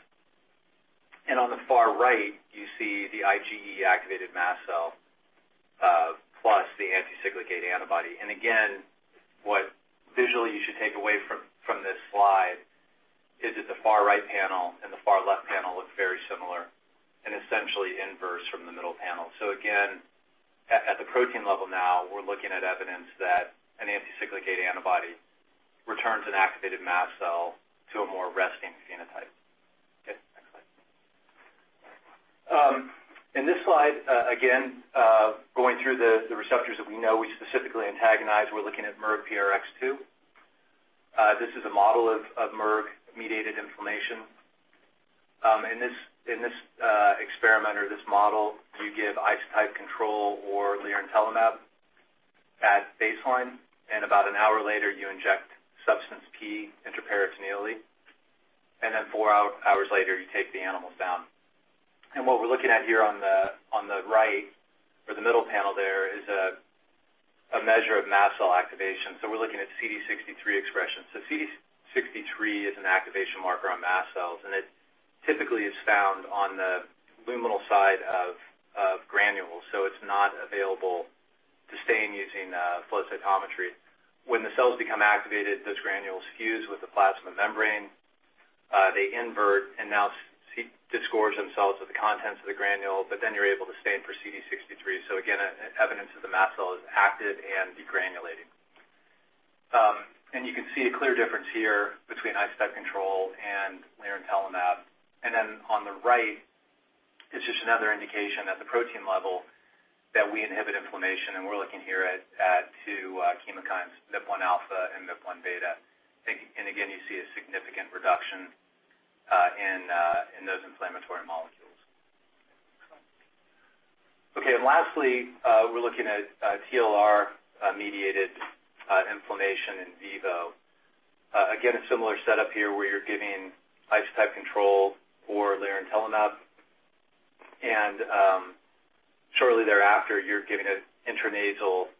On the far right, you see the IgE-activated mast cell plus the anti-Siglec-8 antibody. Again, what visually you should take away from this slide is that the far right panel and the far left panel look very similar and essentially inverse from the middle panel. Again, at the protein level now, we're looking at evidence that an anti-Siglec-8 antibody returns an activated mast cell to a more resting phenotype. Okay, next slide. In this slide, again, going through the receptors that we know we specifically antagonize, we're looking at MRGPRX2. This is a model of MRG-mediated inflammation. In this experiment or this model, you give isotype control or lirentelimab at baseline, and about an hour later, you inject Substance P intraperitoneally, and then four hours later, you take the animals down. What we're looking at here on the right or the middle panel there is a measure of mast cell activation. So we're looking at CD63 expression. So CD63 is an activation marker on mast cells, and it typically is found on the luminal side of granules. So it's not available to stain using flow cytometry. When the cells become activated, those granules fuse with the plasma membrane, they invert and now disgorge themselves of the contents of the granule, but then you're able to stain for CD63. So again, evidence that the mast cell is active and degranulating. You can see a clear difference here between isotype control and lirentelimab. On the right is just another indication at the protein level that we inhibit inflammation, and we're looking here at two chemokines, MIP-1α and MIP-1β. Again, you see a significant reduction in those inflammatory molecules. Okay, lastly, we're looking at TLR-mediated inflammation in vivo. Again, a similar setup here where you're giving isotype control or lirentelimab, and shortly thereafter, you're giving an intranasal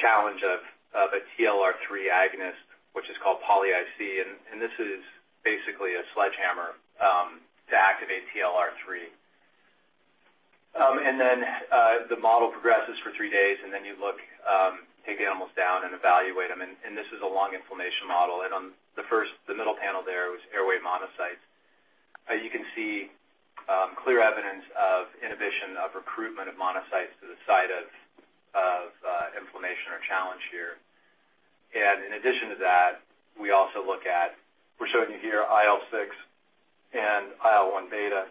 challenge of a TLR3 agonist, which is called poly(I:C). This is basically a sledgehammer to activate TLR3. The model progresses for three days, and then you look, take the animals down and evaluate them. This is a lung inflammation model. In the middle panel there was airway monocytes. You can see clear evidence of inhibition of recruitment of monocytes to the site of inflammation or challenge here. In addition to that, we're showing you here IL-6 and IL-1 beta,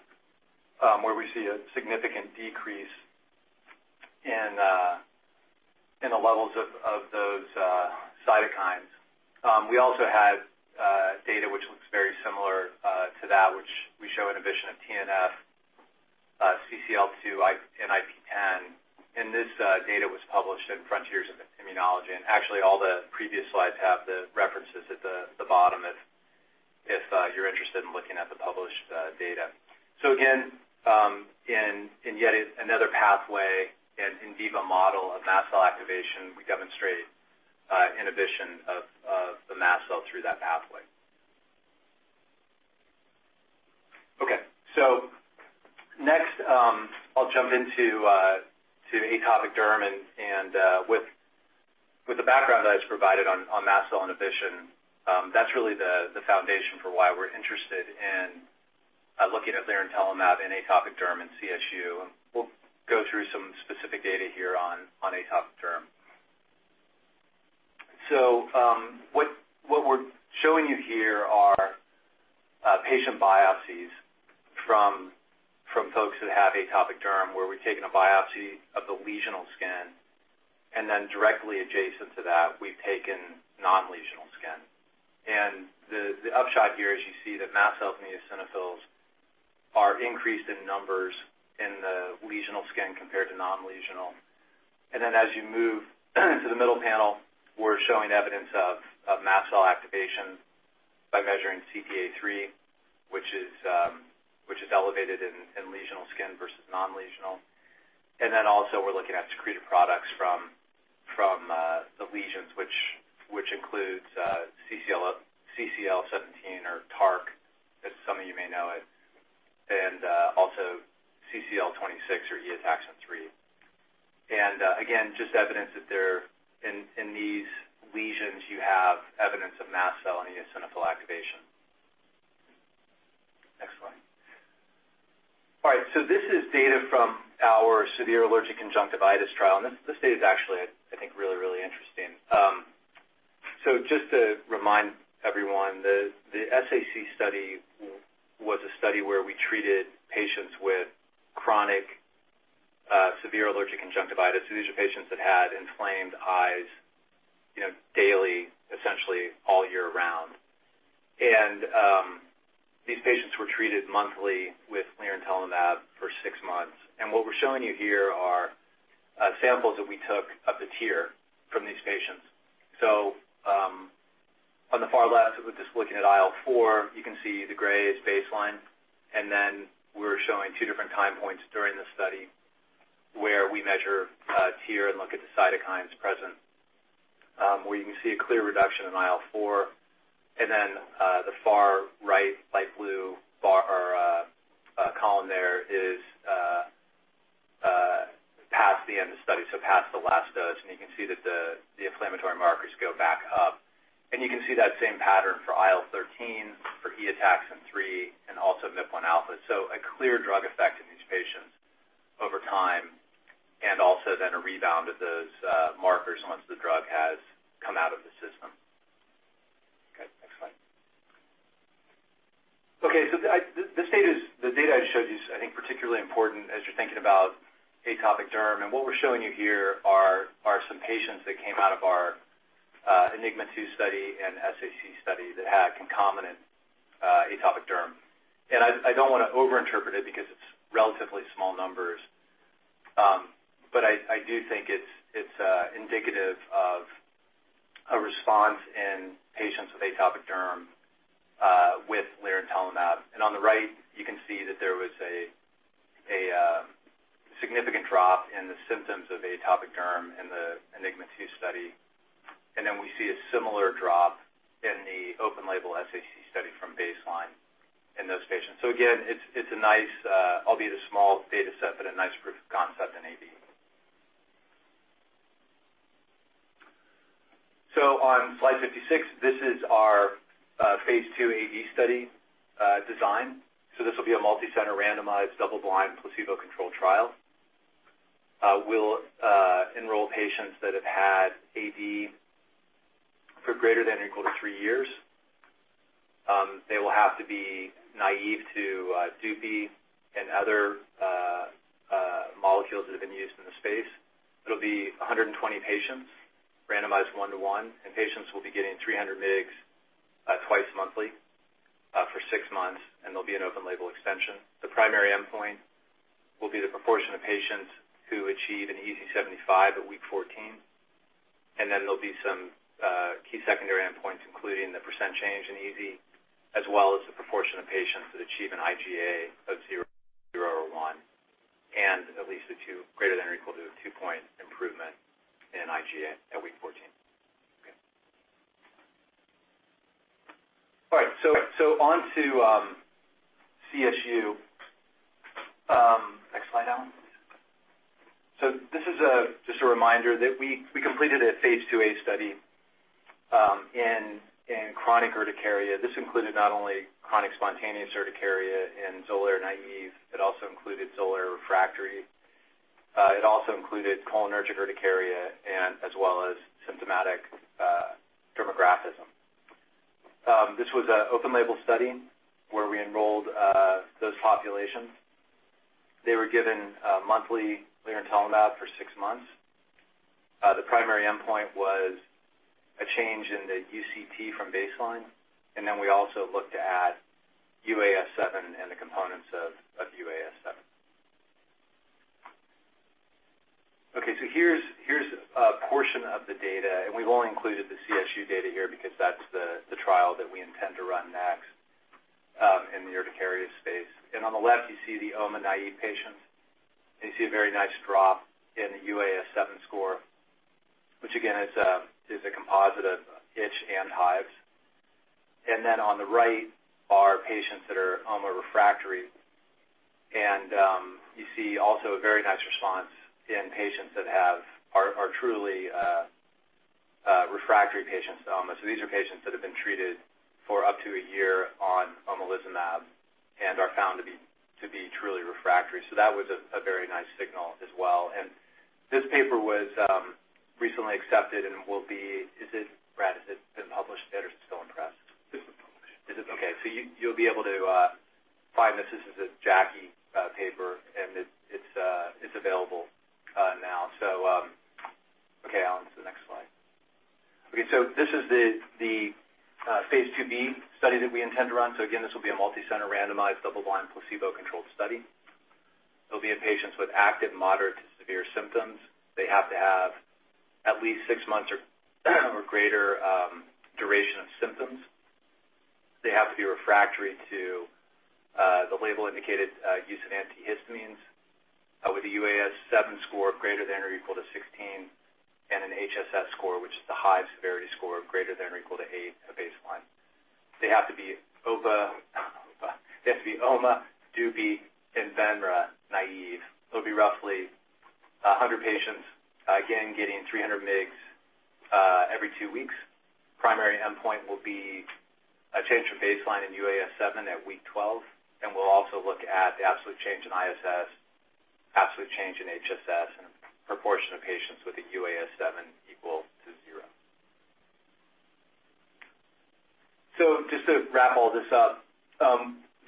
where we see a significant decrease in the levels of those cytokines. We also have data which looks very similar to that which we show inhibition of TNF, CCL2, and IFN. This data was published in Frontiers in Immunology. Actually, all the previous slides have the references at the bottom if you're interested in looking at the published data. Again, in yet another pathway and in vivo model of mast cell activation, we demonstrate inhibition of the mast cell through that pathway. Okay. Next, I'll jump into atopic derm and with the background that I just provided on mast cell inhibition, that's really the foundation for why we're interested in looking at lirentelimab in atopic derm and CSU, and we'll go through some specific data here on atopic derm. What we're showing you here are patient biopsies from folks that have atopic derm, where we've taken a biopsy of the lesional skin, and then directly adjacent to that, we've taken non-lesional skin. The upshot here is you see that mast cells and eosinophils are increased in numbers in the lesional skin compared to non-lesional. Then as you move into the middle panel, we're showing evidence of mast cell activation by measuring CD63, which is elevated in lesional skin versus non-lesional. Then also, we're looking at secreted products from the lesions, which includes CCL17 or TARC, as some of you may know it, and also CCL26 or Eotaxin-3. Again, just evidence that there, in these lesions, you have evidence of mast cell and eosinophil activation. Next slide. This is data from our severe allergic conjunctivitis trial, and this data is actually, I think, really interesting. Just to remind everyone, the SAC study was a study where we treated patients with chronic severe allergic conjunctivitis. These are patients that had inflamed eyes, you know, daily, essentially all year round. These patients were treated monthly with lirentelimab for six months. What we're showing you here are samples that we took of the tears from these patients. On the far left, we're just looking at IL-4. You can see the gray is baseline, and then we're showing two different time points during the study where we measure tears and look at the cytokines present, where you can see a clear reduction in IL-4. The far right light blue bar or column there is past the end of study, past the last dose, and you can see that the inflammatory markers go back up. You can see that same pattern for IL-13, for Eotaxin-3 and also MIP-1α. A clear drug effect in these patients over time and also then a rebound of those markers once the drug has come out of the system. Next slide. The data I just showed you is, I think, particularly important as you're thinking about atopic derm. What we're showing you here are some patients that came out of our ENIGMA 2 study and SAC study that had concomitant atopic derm. I don't wanna overinterpret it because it's relatively small numbers. I do think it's indicative of a response in patients with atopic derm with lirentelimab. On the right, you can see that there was a significant drop in the symptoms of atopic derm in the ENIGMA 2 study. Then we see a similar drop in the open-label SAC study from baseline in those patients. Again, it's a nice albeit a small data set, but a nice proof of concept in AD. On slide 56, this is our phase II AD study design. This will be a multicenter randomized double-blind placebo-controlled trial. We'll enroll patients that have had AD for greater than or equal to three years. They will have to be naive to dupilumab and other molecules that have been used in the space. It'll be 120 patients randomized 1:1, and patients will be getting 300 mg twice monthly for six months, and there'll be an open-label extension. The primary endpoint will be the proportion of patients who achieve an EASI-75 at week 14. Then there'll be some key secondary endpoints, including the percent change in EASI, as well as the proportion of patients that achieve an IgA of 0 or 1, and at least a 2, greater than or equal to a 2-point improvement in IgA at week 14. Okay. All right. On to CSU. Next slide, Alan, please. This is just a reminder that we completed a phase II-A study in chronic urticaria. This included not only chronic spontaneous urticaria in Xolair naive, it also included Xolair refractory. It also included cholinergic urticaria as well as symptomatic dermographism. This was an open-label study where we enrolled those populations. They were given monthly lirentelimab for six months. The primary endpoint was a change in the UCT from baseline, and then we also looked at UAS-7 and the components of UAS-7. Okay, so here's a portion of the data, and we've only included the CSU data here because that's the trial that we intend to run next in the urticaria space. On the left, you see the omalizumab-naive patients, and you see a very nice drop in the UAS-7 score, which again is a composite of itch and hives. Then on the right are patients that are omalizumab refractory. You see also a very nice response in patients that are truly refractory patients to omalizumab. These are patients that have been treated for up to a year on omalizumab and are found to be truly refractory. That was a very nice signal as well. This paper was recently accepted and will be published. Is it, Brad? Has it been published yet or is it still in press? It's been published. Is it? Okay. You, you'll be able to find this. This is a JACI paper, and it's available now. Okay, Alan, to the next slide. Okay, this is the phase II-B study that we intend to run. Again, this will be a multicenter randomized double-blind placebo-controlled study. It'll be in patients with active, moderate to severe symptoms. They have to have at least six months or greater duration of symptoms. They have to be refractory to the label indicated use of antihistamines, with a UAS-7 score greater than or equal to 16 and an HSS score, which is the Hive Severity Score of greater than or equal to 8 at baseline. They have to be omalizumab, dupilumab and benralizumab naive. It'll be roughly 100 patients, again, getting 300 mg every 2 weeks. Primary endpoint will be a change from baseline in UAS-7 at week 12, and we'll also look at the absolute change in ISS, absolute change in HSS, and proportion of patients with a UAS-7 equal to 0. Just to wrap all this up,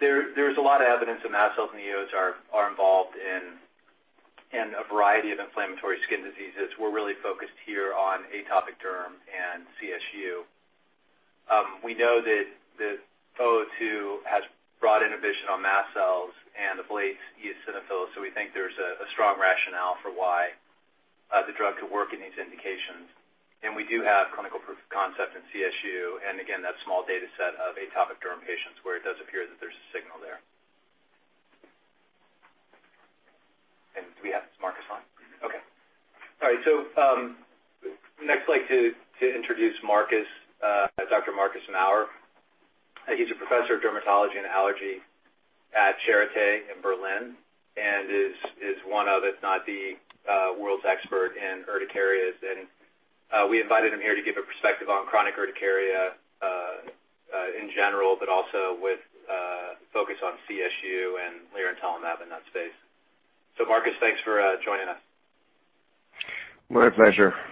there's a lot of evidence that mast cells and eosinophils are involved in a variety of inflammatory skin diseases. We're really focused here on atopic derm and CSU. We know that the AK002 has broad inhibition on mast cells and ablates eosinophils. We think there's a strong rationale for why the drug could work in these indications. We do have clinical proof of concept in CSU, and again, that small data set of atopic derm patients where it does appear that there's a signal there. Is Marcus on? Okay. All right. Next slide to introduce Marcus, Dr. Marcus Maurer. He's a Professor of Dermatology and Allergy at Charité in Berlin and is one of, if not the, world's expert in urticarias. We invited him here to give a perspective on chronic urticaria in general, but also with focus on CSU and lirentelimab in that space. Marcus, thanks for joining us. My pleasure. Thank you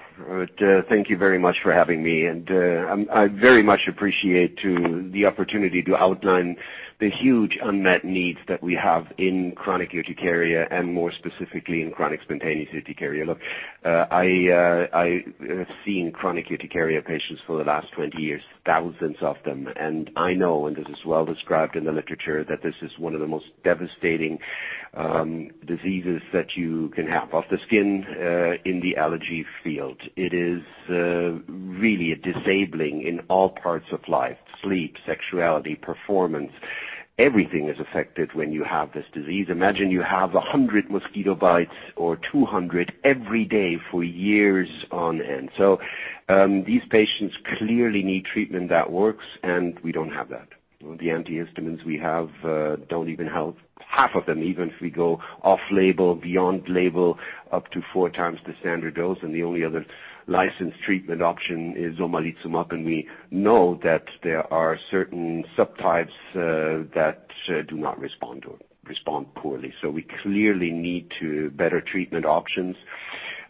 very much for having me. I very much appreciate too the opportunity to outline the huge unmet needs that we have in chronic urticaria and more specifically in chronic spontaneous urticaria. Look, I have seen chronic urticaria patients for the last 20 years, thousands of them. I know, and this is well described in the literature, that this is one of the most devastating diseases that you can have of the skin in the allergy field. It is really disabling in all parts of life, sleep, sexuality, performance. Everything is affected when you have this disease. Imagine you have 100 mosquito bites or 200 every day for years on end. These patients clearly need treatment that works, and we don't have that. The antihistamines we have don't even help half of them, even if we go off label, beyond label, up to four times the standard dose. The only other licensed treatment option is omalizumab, and we know that there are certain subtypes that do not respond to it, respond poorly. We clearly need better treatment options.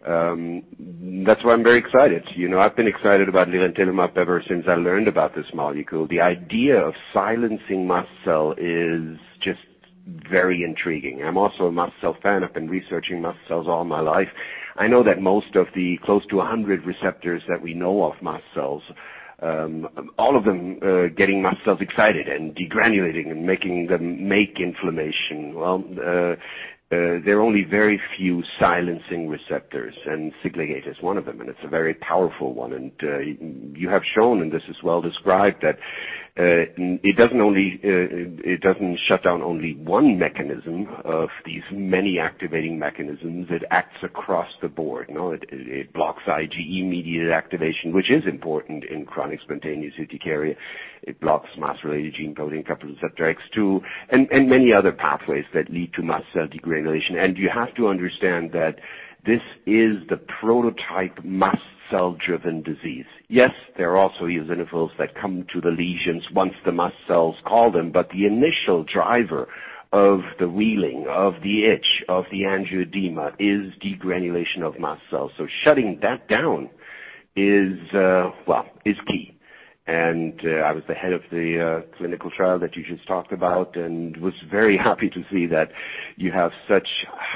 That's why I'm very excited. You know, I've been excited about lirentelimab ever since I learned about this molecule. The idea of silencing mast cell is just very intriguing. I'm also a mast cell fan. I've been researching mast cells all my life. I know that most of the close to 100 receptors that we know of mast cells, all of them getting mast cells excited and degranulating and making them make inflammation. Well, there are only very few silencing receptors, and Siglec-8 is one of them, and it's a very powerful one. You have shown, and this is well described, that it doesn't shut down only one mechanism of these many activating mechanisms. It acts across the board. You know, it blocks IgE-mediated activation, which is important in chronic spontaneous urticaria. It blocks Mas-related G protein-coupled receptor X2, and many other pathways that lead to mast cell degranulation. You have to understand that this is the prototype mast cell-driven disease. Yes, there are also eosinophils that come to the lesions once the mast cells call them, but the initial driver of the whealing, of the itch, of the angioedema is degranulation of mast cells. Shutting that down is key. I was the head of the clinical trial that you just talked about and was very happy to see that you have such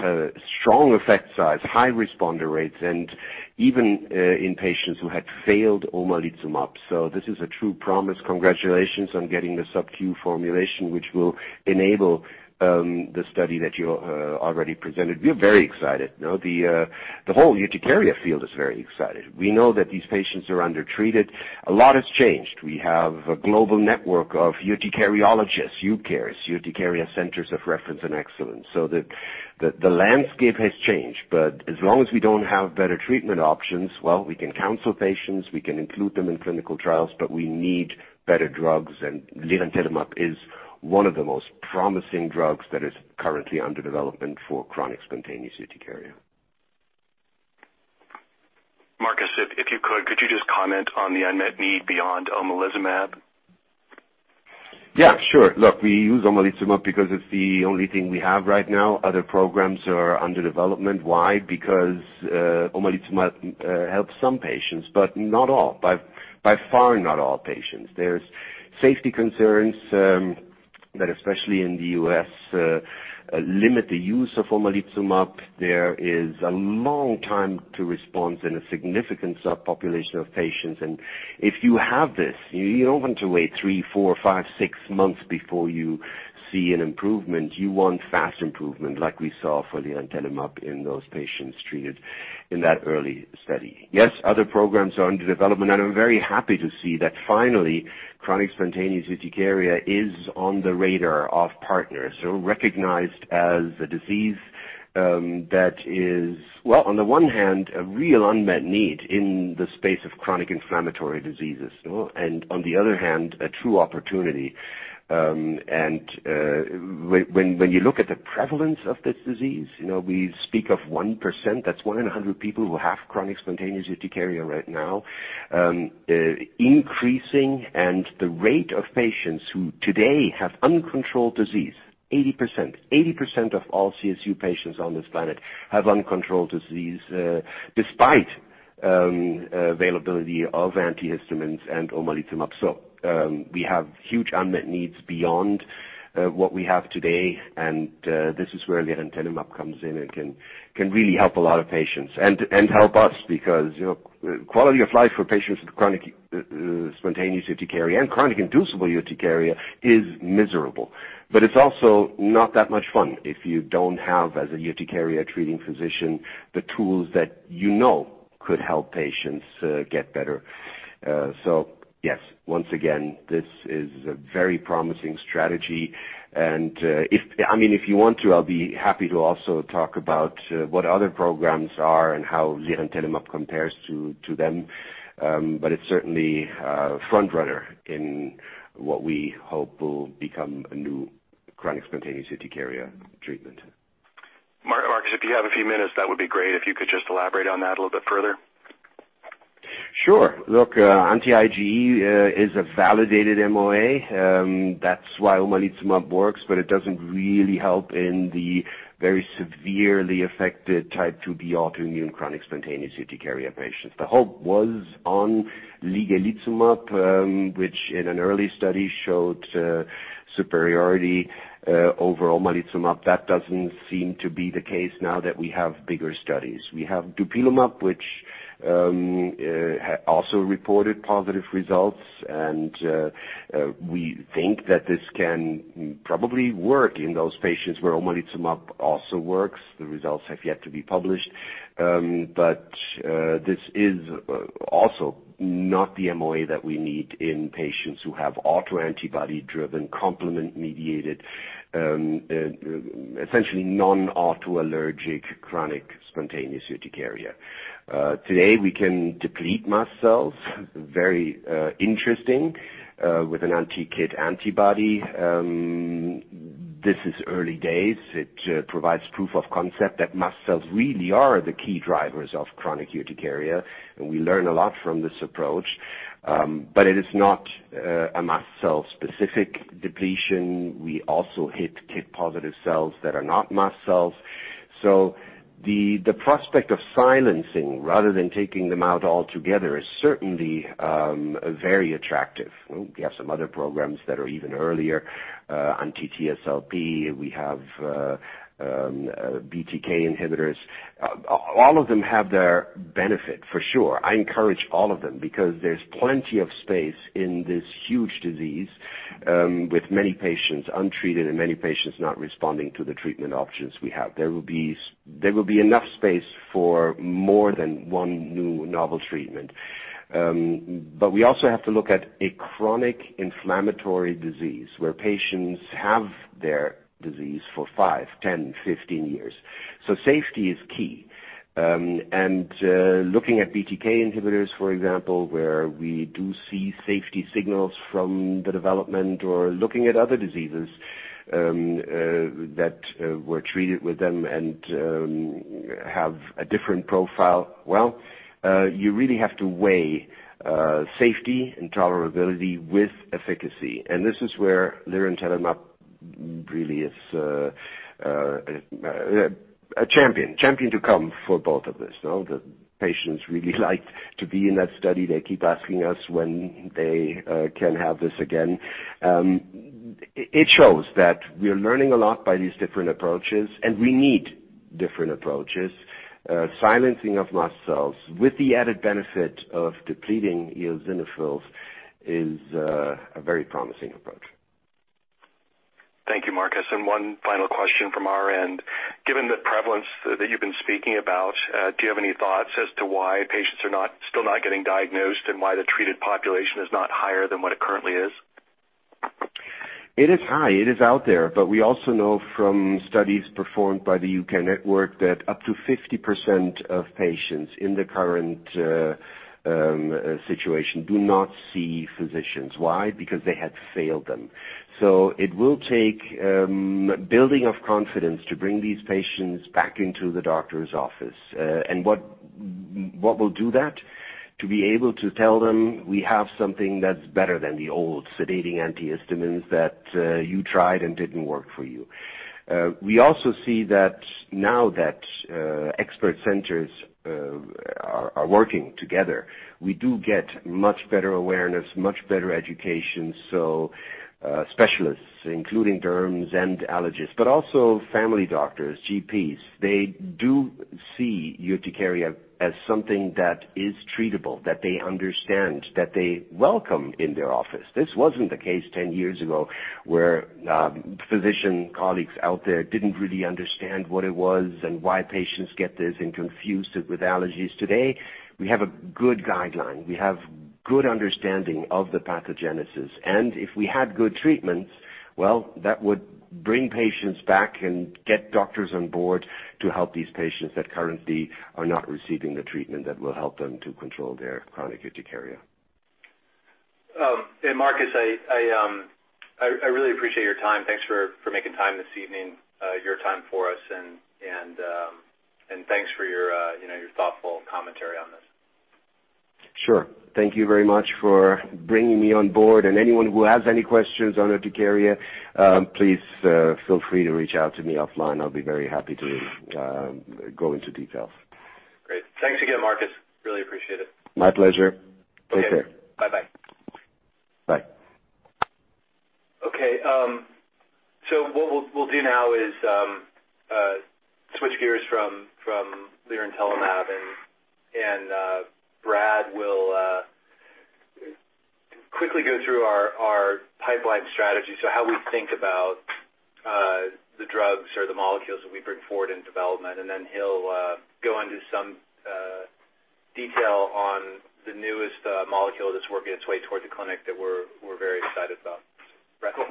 a strong effect size, high responder rates, and even in patients who had failed omalizumab. This is a true promise. Congratulations on getting the subcu formulation, which will enable the study that you already presented. We're very excited. You know, the whole urticaria field is very excited. We know that these patients are undertreated. A lot has changed. We have a global network of urticariologists, UCARE, Urticaria Centers of Reference and Excellence. The landscape has changed, but as long as we don't have better treatment options, well, we can counsel patients, we can include them in clinical trials, but we need better drugs. Lirentelimab is one of the most promising drugs that is currently under development for chronic spontaneous urticaria. Marcus, if you could you just comment on the unmet need beyond omalizumab? Yeah, sure. Look, we use omalizumab because it's the only thing we have right now. Other programs are under development. Why? Because omalizumab helps some patients, but not all. By far not all patients. There's safety concerns that especially in the U.S. limit the use of omalizumab. There is a long time to response and a significant subpopulation of patients. If you have this, you don't want to wait three, four, five, six months before you see an improvement. You want fast improvement like we saw for lirentelimab in those patients treated in that early study. Yes, other programs are under development, and I'm very happy to see that finally, chronic spontaneous urticaria is on the radar of partners, so recognized as a disease that is, well, on the one hand, a real unmet need in the space of chronic inflammatory diseases. You know, on the other hand, a true opportunity. When you look at the prevalence of this disease, you know, we speak of 1%, that's one in 100 people who have chronic spontaneous urticaria right now, increasing, and the rate of patients who today have uncontrolled disease, 80%. Eighty percent of all CSU patients on this planet have uncontrolled disease, despite availability of antihistamines and omalizumab. We have huge unmet needs beyond what we have today, and this is where lirentelimab comes in and can really help a lot of patients and help us because, you know, quality of life for patients with chronic spontaneous urticaria and chronic inducible urticaria is miserable. It's also not that much fun if you don't have, as a urticaria treating physician, the tools that you know could help patients get better. Yes, once again, this is a very promising strategy. I mean, if you want to, I'll be happy to also talk about what other programs are and how lirentelimab compares to them. It's certainly a front runner in what we hope will become a new chronic spontaneous urticaria treatment. Marcus, if you have a few minutes, that would be great if you could just elaborate on that a little bit further. Sure. Look, anti-IgE is a validated MOA. That's why omalizumab works, but it doesn't really help in the very severely affected type 2B autoimmune chronic spontaneous urticaria patients. The hope was on ligelizumab, which in an early study showed superiority over omalizumab. That doesn't seem to be the case now that we have bigger studies. We have dupilumab, which also reported positive results, and we think that this can probably work in those patients where omalizumab also works. The results have yet to be published. But this is also not the MOA that we need in patients who have autoantibody driven complement-mediated, essentially non-autoallergic chronic spontaneous urticaria. Today we can deplete mast cells, very interesting, with an anti-KIT antibody. This is early days. It provides proof of concept that mast cells really are the key drivers of chronic urticaria, and we learn a lot from this approach. It is not a mast cell-specific depletion. We also hit KIT-positive cells that are not mast cells. The prospect of silencing rather than taking them out altogether is certainly very attractive. We have some other programs that are even earlier on TSLP. We have BTK inhibitors. All of them have their benefit for sure. I encourage all of them because there's plenty of space in this huge disease with many patients untreated and many patients not responding to the treatment options we have. There will be enough space for more than one new novel treatment. We also have to look at a chronic inflammatory disease where patients have their disease for five, 10, 15 years. Safety is key. Looking at BTK inhibitors, for example, where we do see safety signals from the development or looking at other diseases that were treated with them and have a different profile. You really have to weigh safety and tolerability with efficacy. This is where lirentelimab really is a champion to come for both of this. The patients really like to be in that study. They keep asking us when they can have this again. It shows that we are learning a lot by these different approaches, and we need different approaches. Silencing of mast cells with the added benefit of depleting eosinophils is a very promising approach. Thank you, Marcus. One final question from our end. Given the prevalence that you've been speaking about, do you have any thoughts as to why patients are still not getting diagnosed and why the treated population is not higher than what it currently is? It is high. It is out there. We also know from studies performed by the U.K. network that up to 50% of patients in the current situation do not see physicians. Why? Because they had failed them. It will take building of confidence to bring these patients back into the doctor's office. What will do that? To be able to tell them we have something that's better than the old sedating antihistamines that you tried and didn't work for you. We also see that now that expert centers are working together, we do get much better awareness, much better education, so specialists, including derms and allergists, but also family doctors, GPs, they do see urticaria as something that is treatable, that they understand, that they welcome in their office. This wasn't the case ten years ago, where physician colleagues out there didn't really understand what it was and why patients get this and confused it with allergies. Today, we have a good guideline. We have good understanding of the pathogenesis. If we had good treatments, well, that would bring patients back and get doctors on board to help these patients that currently are not receiving the treatment that will help them to control their chronic urticaria. Marcus, I really appreciate your time. Thanks for making time this evening, your time for us, and thanks for your, you know, your thoughtful commentary on this. Sure. Thank you very much for bringing me on board. Anyone who has any questions on urticaria, please, feel free to reach out to me offline. I'll be very happy to go into details. Great. Thanks again, Marcus. Really appreciate it. My pleasure. Take care. Okay. Bye bye. Bye. Okay. What we'll do now is switch gears from lirentelimab, and Brad will quickly go through our pipeline strategy. How we think about the drugs or the molecules that we bring forward in development, and then he'll go into some detail on the newest molecule that's working its way toward the clinic that we're very excited about. Brad. Cool.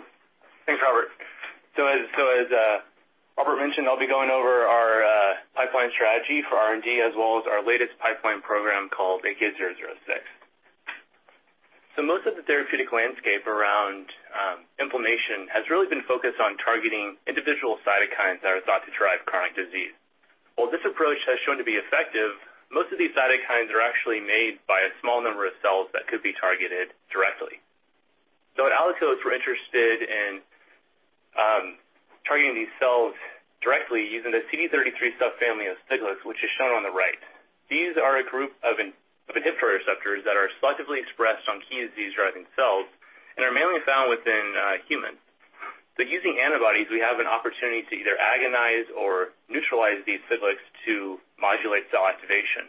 Thanks, Robert. As Robert mentioned, I'll be going over our pipeline strategy for R&D as well as our latest pipeline program called AK006. Most of the therapeutic landscape around inflammation has really been focused on targeting individual cytokines that are thought to drive chronic disease. While this approach has shown to be effective, most of these cytokines are actually made by a small number of cells that could be targeted directly. At Allakos, we're interested in targeting these cells directly using the CD33 subfamily of Siglecs, which is shown on the right. These are a group of inhibitory receptors that are selectively expressed on key disease-driving cells and are mainly found within humans. Using antibodies, we have an opportunity to either agonize or neutralize these Siglecs to modulate cell activation.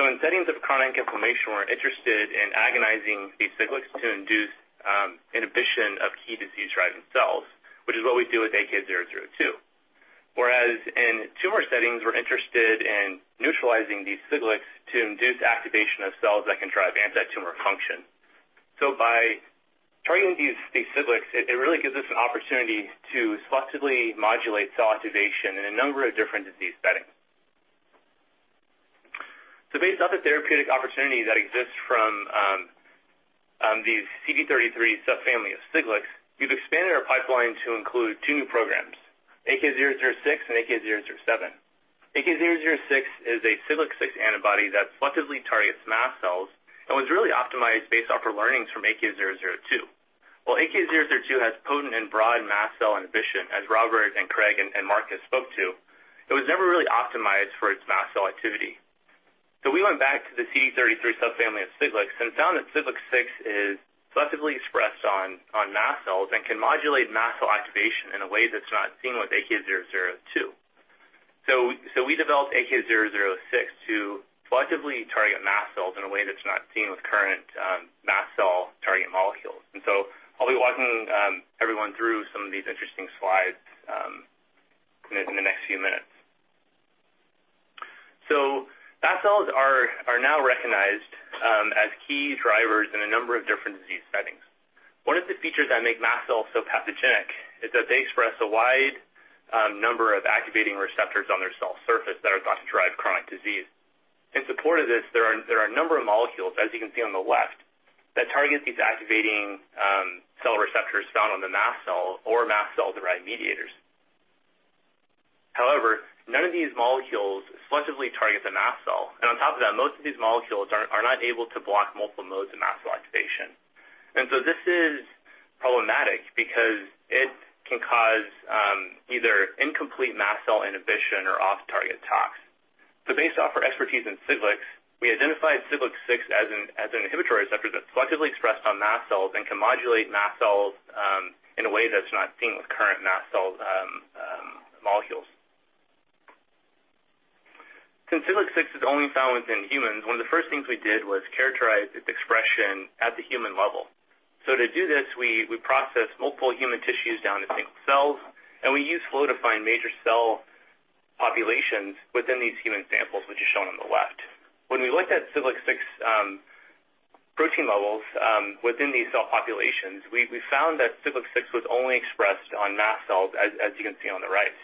In settings of chronic inflammation, we're interested in agonizing these Siglecs to induce inhibition of key disease-driving cells, which is what we do with AK002. Whereas in tumor settings, we're interested in neutralizing these Siglecs to induce activation of cells that can drive antitumor function. By targeting these Siglecs, it really gives us an opportunity to selectively modulate cell activation in a number of different disease settings. Based off the therapeutic opportunity that exists from the CD33 subfamily of Siglecs, we've expanded our pipeline to include two new programs, AK006 and AK007. AK006 is a Siglec-6 antibody that selectively targets mast cells and was really optimized based off our learnings from AK002. While AK002 has potent and broad mast cell inhibition, as Robert, Craig, and Marcus spoke to, it was never really optimized for its mast cell activity. We went back to the CD33 subfamily of Siglecs and found that Siglec-6 is selectively expressed on mast cells and can modulate mast cell activation in a way that's not seen with AK002. We developed AK006 to selectively target mast cells in a way that's not seen with current mast cell-targeting molecules. I'll be walking everyone through some of these interesting slides in the next few minutes. Mast cells are now recognized as key drivers in a number of different disease settings. One of the features that make mast cells so pathogenic is that they express a wide number of activating receptors on their cell surface that are thought to drive chronic disease. In support of this, there are a number of molecules, as you can see on the left, that target these activating cell receptors found on the mast cell or mast cell-derived mediators. However, none of these molecules selectively target the mast cell, and on top of that, most of these molecules are not able to block multiple modes of mast cell activation. This is problematic because it can cause either incomplete mast cell inhibition or off-target tox. Based off our expertise in Siglecs, we identified Siglec-6 as an inhibitory receptor that's selectively expressed on mast cells and can modulate mast cells in a way that's not seen with current mast cell molecules. Since Siglec-6 is only found within humans, one of the first things we did was characterize its expression at the human level. To do this, we processed multiple human tissues down to single cells, and we used flow to find major cell populations within these human samples, which is shown on the left. When we looked at Siglec-6 protein levels within these cell populations, we found that Siglec-6 was only expressed on mast cells, as you can see on the right.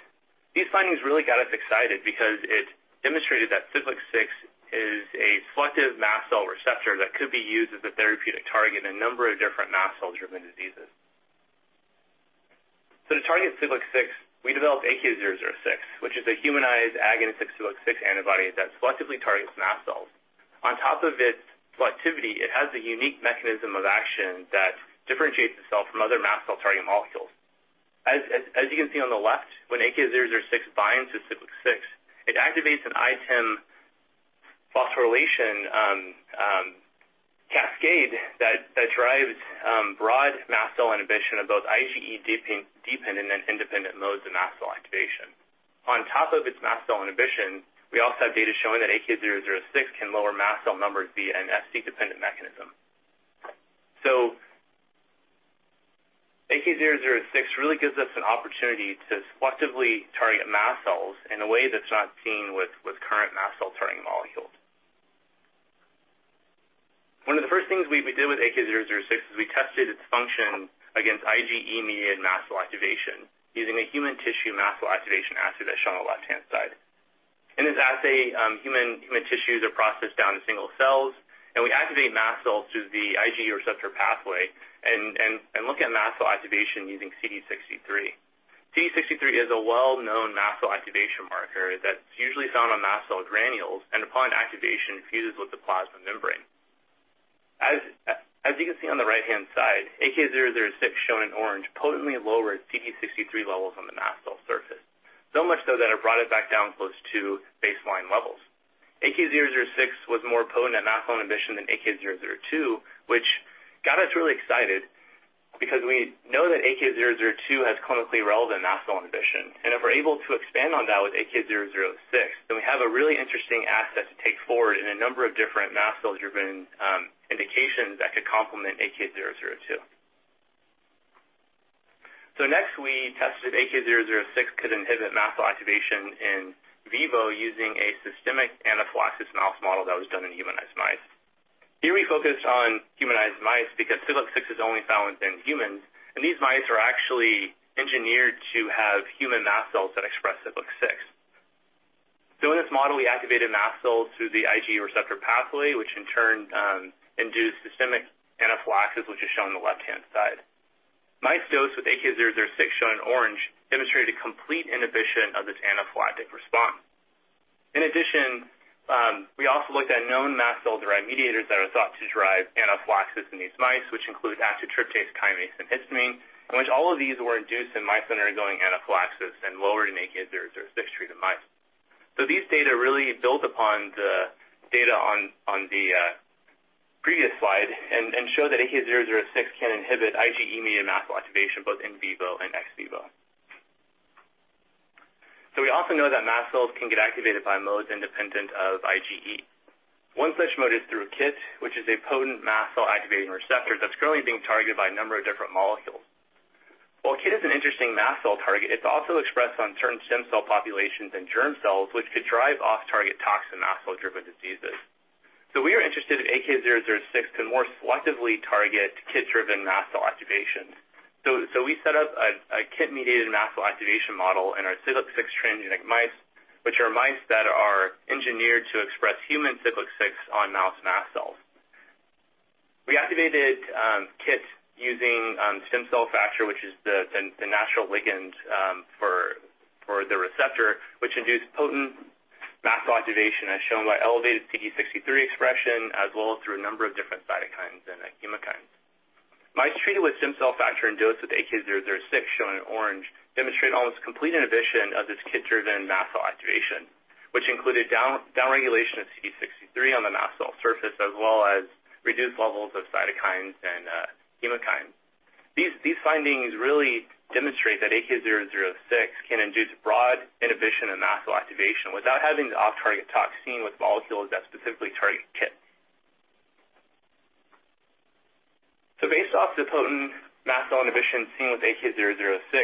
These findings really got us excited because it demonstrated that Siglec-6 is a selective mast cell receptor that could be used as a therapeutic target in a number of different mast cell-driven diseases. To target Siglec-6, we developed AK006, which is a humanized anti-Siglec-6 antibody that selectively targets mast cells. On top of its selectivity, it has a unique mechanism of action that differentiates the cell from other mast cell-targeting molecules. As you can see on the left, when AK006 binds to Siglec-6, it activates an ITIM phosphorylation cascade that drives broad mast cell inhibition of both IgE-dependent and independent modes of mast cell activation. On top of its mast cell inhibition, we also have data showing that AK006 can lower mast cell numbers via an Fc-dependent mechanism. AK006 really gives us an opportunity to selectively target mast cells in a way that's not seen with current mast cell targeting molecules. One of the first things we did with AK006 is we tested its function against IgE-mediated mast cell activation using a human tissue mast cell activation assay that's shown on the left-hand side. In this assay, human tissues are processed down to single cells, and we activate mast cells through the IgE receptor pathway and look at mast cell activation using CD63. CD63 is a well-known mast cell activation marker that's usually found on mast cell granules, and upon activation, fuses with the plasma membrane. As you can see on the right-hand side, AK006, shown in orange, potently lowered CD63 levels on the mast cell surface, so much so that it brought it back down close to baseline levels. AK006 was more potent at mast cell inhibition than AK002, which got us really excited because we know that AK002 has clinically relevant mast cell inhibition. If we're able to expand on that with AK006, then we have a really interesting asset to take forward in a number of different mast cell-driven indications that could complement AK002. Next, we tested if AK006 could inhibit mast cell activation in vivo using a systemic anaphylaxis mouse model that was done in humanized mice. Here, we focused on humanized mice because Siglec-6 is only found within humans, and these mice are actually engineered to have human mast cells that express Siglec-6. In this model, we activated mast cells through the IgE receptor pathway, which in turn induced systemic anaphylaxis, which is shown on the left-hand side. Mice dosed with AK006, shown in orange, demonstrated a complete inhibition of this anaphylactic response. In addition, we also looked at known mast cell-derived mediators that are thought to drive anaphylaxis in these mice, which include active tryptase, chymase and histamine, in which all of these were induced in mice that are undergoing anaphylaxis and lowered in AK006-treated mice. These data really built upon the data on the previous slide and show that AK006 can inhibit IgE-mediated mast cell activation both in vivo and ex vivo. We also know that mast cells can get activated by modes independent of IgE. One such mode is through KIT, which is a potent mast cell-activating receptor that's currently being targeted by a number of different molecules. While KIT is an interesting mast cell target, it's also expressed on certain stem cell populations and germ cells, which could drive off-target toxicities mast cell-driven diseases. We are interested if AK006 can more selectively target KIT-driven mast cell activation. We set up a KIT-mediated mast cell activation model in our Siglec-6 transgenic mice, which are mice that are engineered to express human Siglec-6 on mouse mast cells. We activated KIT using stem cell factor, which is the natural ligand for the receptor, which induced potent mast cell activation, as shown by elevated CD63 expression, as well as through a number of different cytokines and chemokines. Mice treated with stem cell factor and dosed with AK006, shown in orange, demonstrate almost complete inhibition of this KIT-driven mast cell activation, which included downregulation of CD63 on the mast cell surface, as well as reduced levels of cytokines and chemokines. These findings really demonstrate that AK006 can induce broad inhibition of mast cell activation without having the off-target toxicity with molecules that specifically target KIT. Based off the potent mast cell inhibition seen with AK006,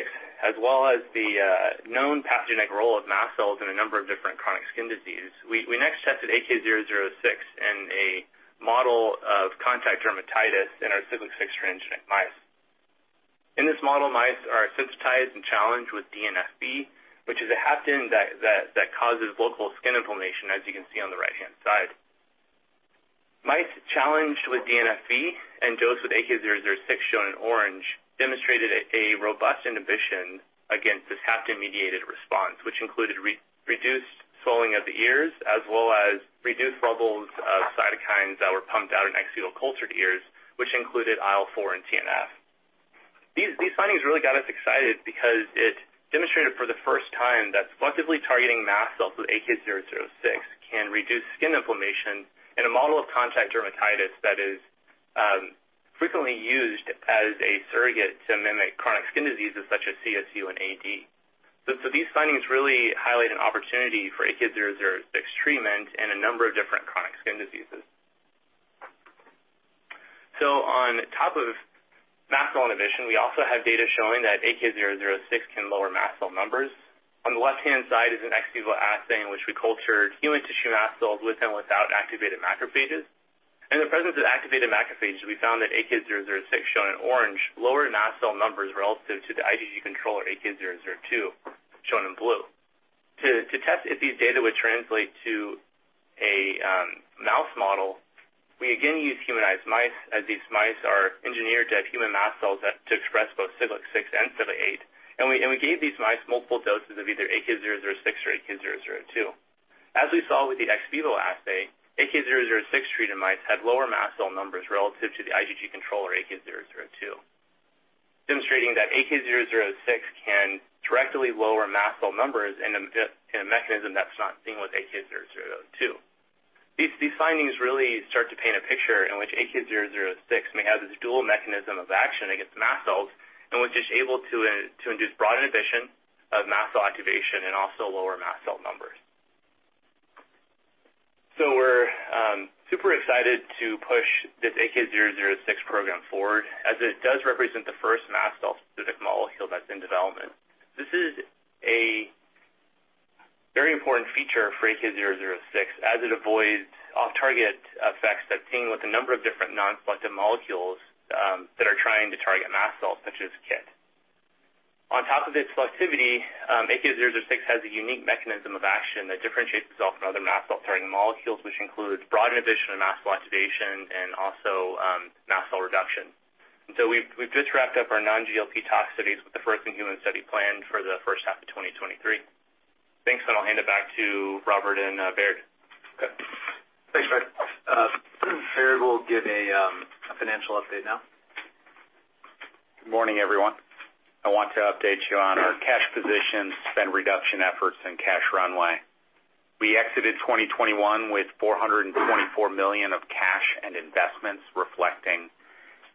as well as the known pathogenic role of mast cells in a number of different chronic skin disease, we next tested AK006 in a model of contact dermatitis in our Siglec-6 transgenic mice. In this model, mice are sensitized and challenged with DNFB, which is a hapten that causes local skin inflammation, as you can see on the right-hand side. Mice challenged with DNFB and dosed with AK006, shown in orange, demonstrated a robust inhibition against this hapten-mediated response, which included reduced swelling of the ears, as well as reduced levels of cytokines that were pumped out in ex vivo cultured ears, which included IL-4 and TNF. These findings really got us excited because it demonstrated for the first time that selectively targeting mast cells with AK006 can reduce skin inflammation in a model of contact dermatitis that is frequently used as a surrogate to mimic chronic skin diseases such as CSU and AD. These findings really highlight an opportunity for AK006 treatment in a number of different chronic skin diseases. On top of mast cell inhibition, we also have data showing that AK006 can lower mast cell numbers. On the left-hand side is an ex vivo assay in which we cultured human tissue mast cells with and without activated macrophages. In the presence of activated macrophages, we found that AK006, shown in orange, lowered mast cell numbers relative to the IgG control or AK002, shown in blue. To test if these data would translate to a mouse model, we again used humanized mice, as these mice are engineered to have human mast cells that to express both Siglec-6 and Siglec-8, and we gave these mice multiple doses of either AK006 or AK002. As we saw with the ex vivo assay, AK006-treated mice had lower mast cell numbers relative to the IgG control or AK002, demonstrating that AK006 can directly lower mast cell numbers in a mechanism that's not seen with AK002. These findings really start to paint a picture in which AK006 may have this dual mechanism of action against mast cells and was just able to induce broad inhibition of mast cell activation and also lower mast cell numbers. We're super excited to push this AK006 program forward as it does represent the first mast cell-specific molecule that's in development. This is a very important feature for AK006 as it avoids off-target effects that's seen with a number of different non-selective molecules that are trying to target mast cells such as KIT. On top of its selectivity, AK006 has a unique mechanism of action that differentiates itself from other mast cell-targeting molecules, which includes broad inhibition of mast cell activation and also mast cell reduction. We've just wrapped up our non-GLP tox studies with the first in human study planned for the first half of 2023. Thanks. I'll hand it back to Robert and Baird. Okay. Thanks, Brad. Baird will give a financial update now. Good morning, everyone. I want to update you on our cash position, spend reduction efforts, and cash runway. We exited 2021 with $424 million of cash and investments, reflecting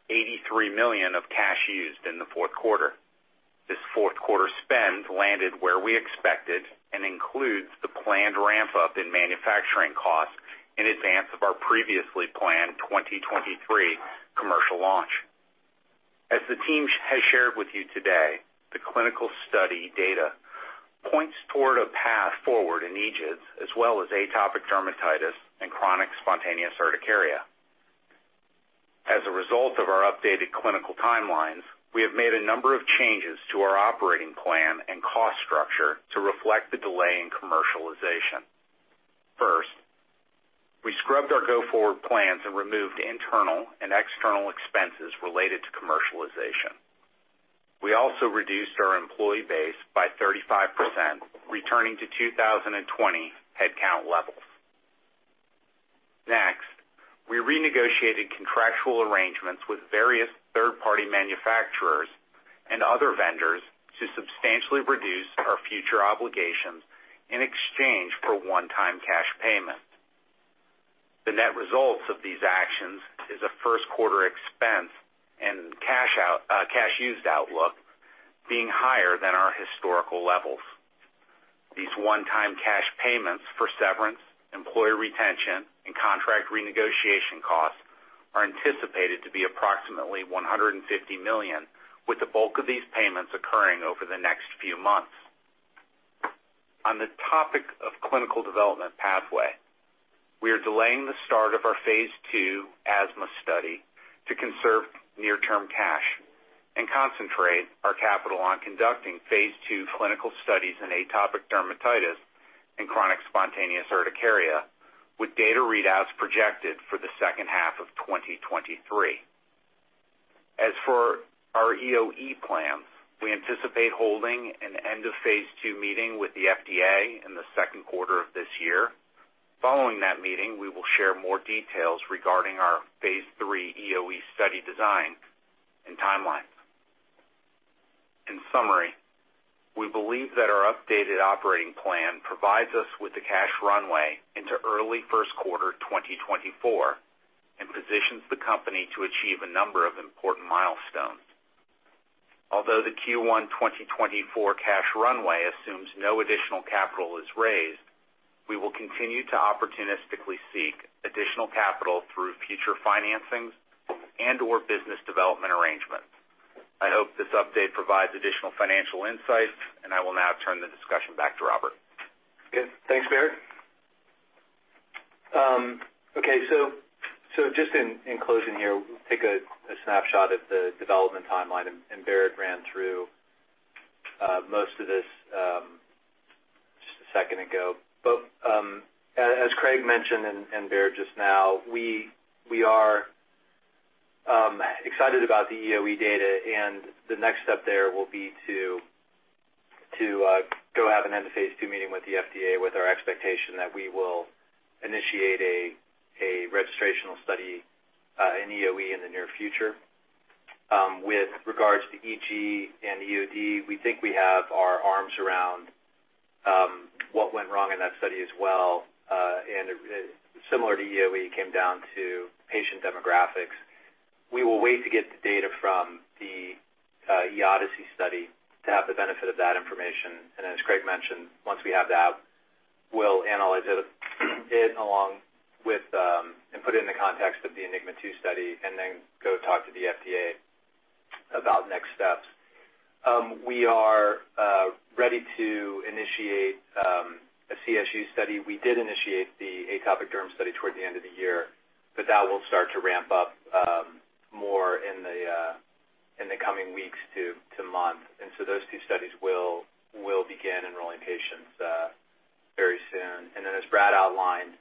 $83 million of cash used in the fourth quarter. This fourth quarter spend landed where we expected and includes the planned ramp-up in manufacturing costs in advance of our previously planned 2023 commercial launch. As the team has shared with you today, the clinical study data points toward a path forward in EGIDs as well as atopic dermatitis and chronic spontaneous urticaria. As a result of our updated clinical timelines, we have made a number of changes to our operating plan and cost structure to reflect the delay in commercialization. First, we scrubbed our go-forward plans and removed internal and external expenses related to commercialization. We also reduced our employee base by 35%, returning to 2020 headcount levels. Next, we renegotiated contractual arrangements with various third-party manufacturers and other vendors to substantially reduce our future obligations in exchange for one-time cash payments. The net results of these actions is a first quarter expense and cash used outlook being higher than our historical levels. These one-time cash payments for severance, employee retention, and contract renegotiation costs are anticipated to be approximately $150 million, with the bulk of these payments occurring over the next few months. On the topic of clinical development pathway, we are delaying the start of our phase II asthma study to conserve near-term cash and concentrate our capital on conducting phase II clinical studies in atopic dermatitis and chronic spontaneous urticaria, with data readouts projected for the second half of 2023. As for our EoE plans, we anticipate holding an end-of-phase II meeting with the FDA in the second quarter of this year. Following that meeting, we will share more details regarding our phase III EoE study design and timelines. In summary, we believe that our updated operating plan provides us with the cash runway into early Q1 2024 and positions the company to achieve a number of important milestones. Although the Q1 2024 cash runway assumes no additional capital is raised, we will continue to opportunistically seek additional capital through future financings and/or business development arrangements. I hope this update provides additional financial insights, and I will now turn the discussion back to Robert. Good. Thanks, Baird. Okay, so just in closing here, we'll take a snapshot of the development timeline, and Baird ran through most of this just a second ago. As Craig mentioned and Baird just now, we are excited about the EoE data, and the next step there will be to go have an end of phase II meeting with the FDA with our expectation that we will initiate a registrational study in EoE in the near future. With regards to EG and EoD, we think we have our arms around what went wrong in that study as well. Similar to EoE, it came down to patient demographics. We will wait to get the data from the EoDyssey study to have the benefit of that information. As Craig mentioned, once we have that, we'll analyze it and put it in the context of the ENIGMA 2 study and then go talk to the FDA about next steps. We are ready to initiate a CSU study. We did initiate the atopic dermatitis study toward the end of the year, but that will start to ramp up more in the coming weeks to months. Those two studies will begin enrolling patients very soon. As Brad outlined,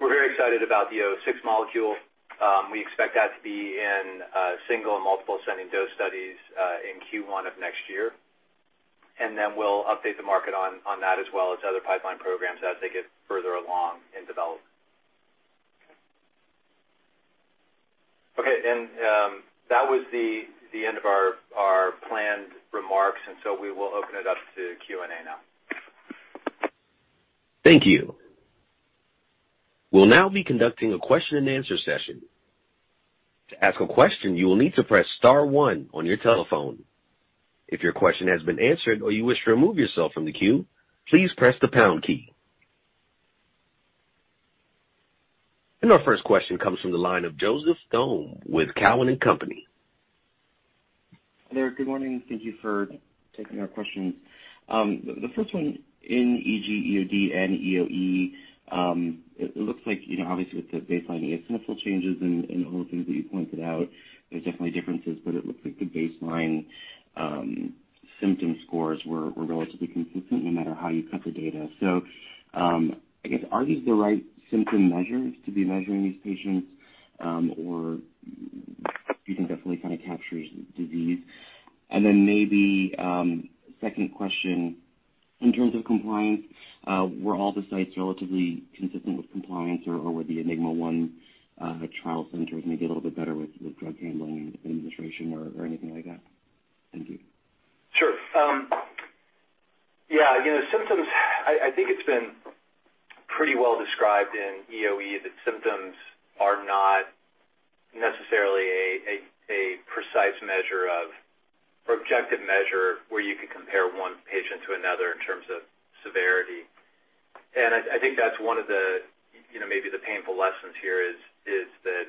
we're very excited about the AK-006 molecule. We expect that to be in single and multiple ascending dose studies in Q1 of next year. We'll update the market on that as well as other pipeline programs as they get further along in development. Okay, that was the end of our planned remarks, so we will open it up to Q&A now. Thank you. We'll now be conducting a question-and-answer session. To ask a question, you will need to press star one on your telephone. If your question has been answered or you wish to remove yourself from the queue, please press the pound key. Our first question comes from the line of Joseph Thome with Cowen and Company. Hi there. Good morning. Thank you for taking our questions. The first one in EG, EoD and EoE, it looks like, you know, obviously with the baseline eosinophil changes and all the things that you pointed out, there's definitely differences, but it looks like the baseline symptom scores were relatively consistent no matter how you cut the data. I guess, are these the right symptom measures to be measuring these patients, or do you think definitely kinda captures disease? Then maybe, second question, in terms of compliance, were all the sites relatively consistent with compliance or were the ENIGMA 1 trial centers maybe a little bit better with drug handling and administration or anything like that? Thank you. Sure. Yeah, you know, symptoms, I think it's been pretty well described in EoE that symptoms are not necessarily a precise measure of or objective measure where you can compare one patient to another in terms of severity. I think that's one of the, you know, maybe the painful lessons here is that,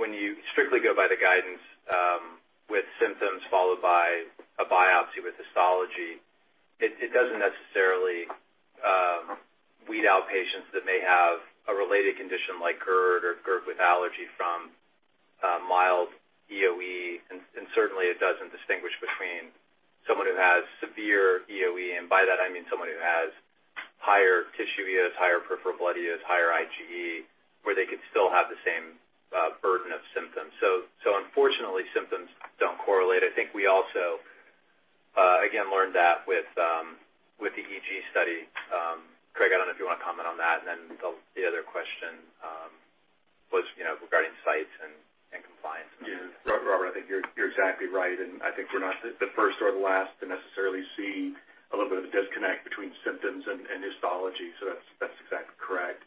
when you strictly go by the guidance, with symptoms followed by a biopsy with histology, it doesn't necessarily weed out patients that may have a related condition like GERD or GERD with allergy from, mild EoE. Certainly it doesn't distinguish between someone who has severe EoE, and by that I mean someone who has higher tissue eos, higher peripheral blood eos, and higher IgE, where they could still have the same burden of symptoms. Unfortunately, symptoms don't correlate. I think we also again learned that with the EG study. Craig, I don't know if you wanna comment on that, and then the other question was regarding sites and compliance. Yeah. Robert, I think you're exactly right, and I think we're not the first or the last to necessarily see a little bit of a disconnect between symptoms and histology. So that's exactly correct.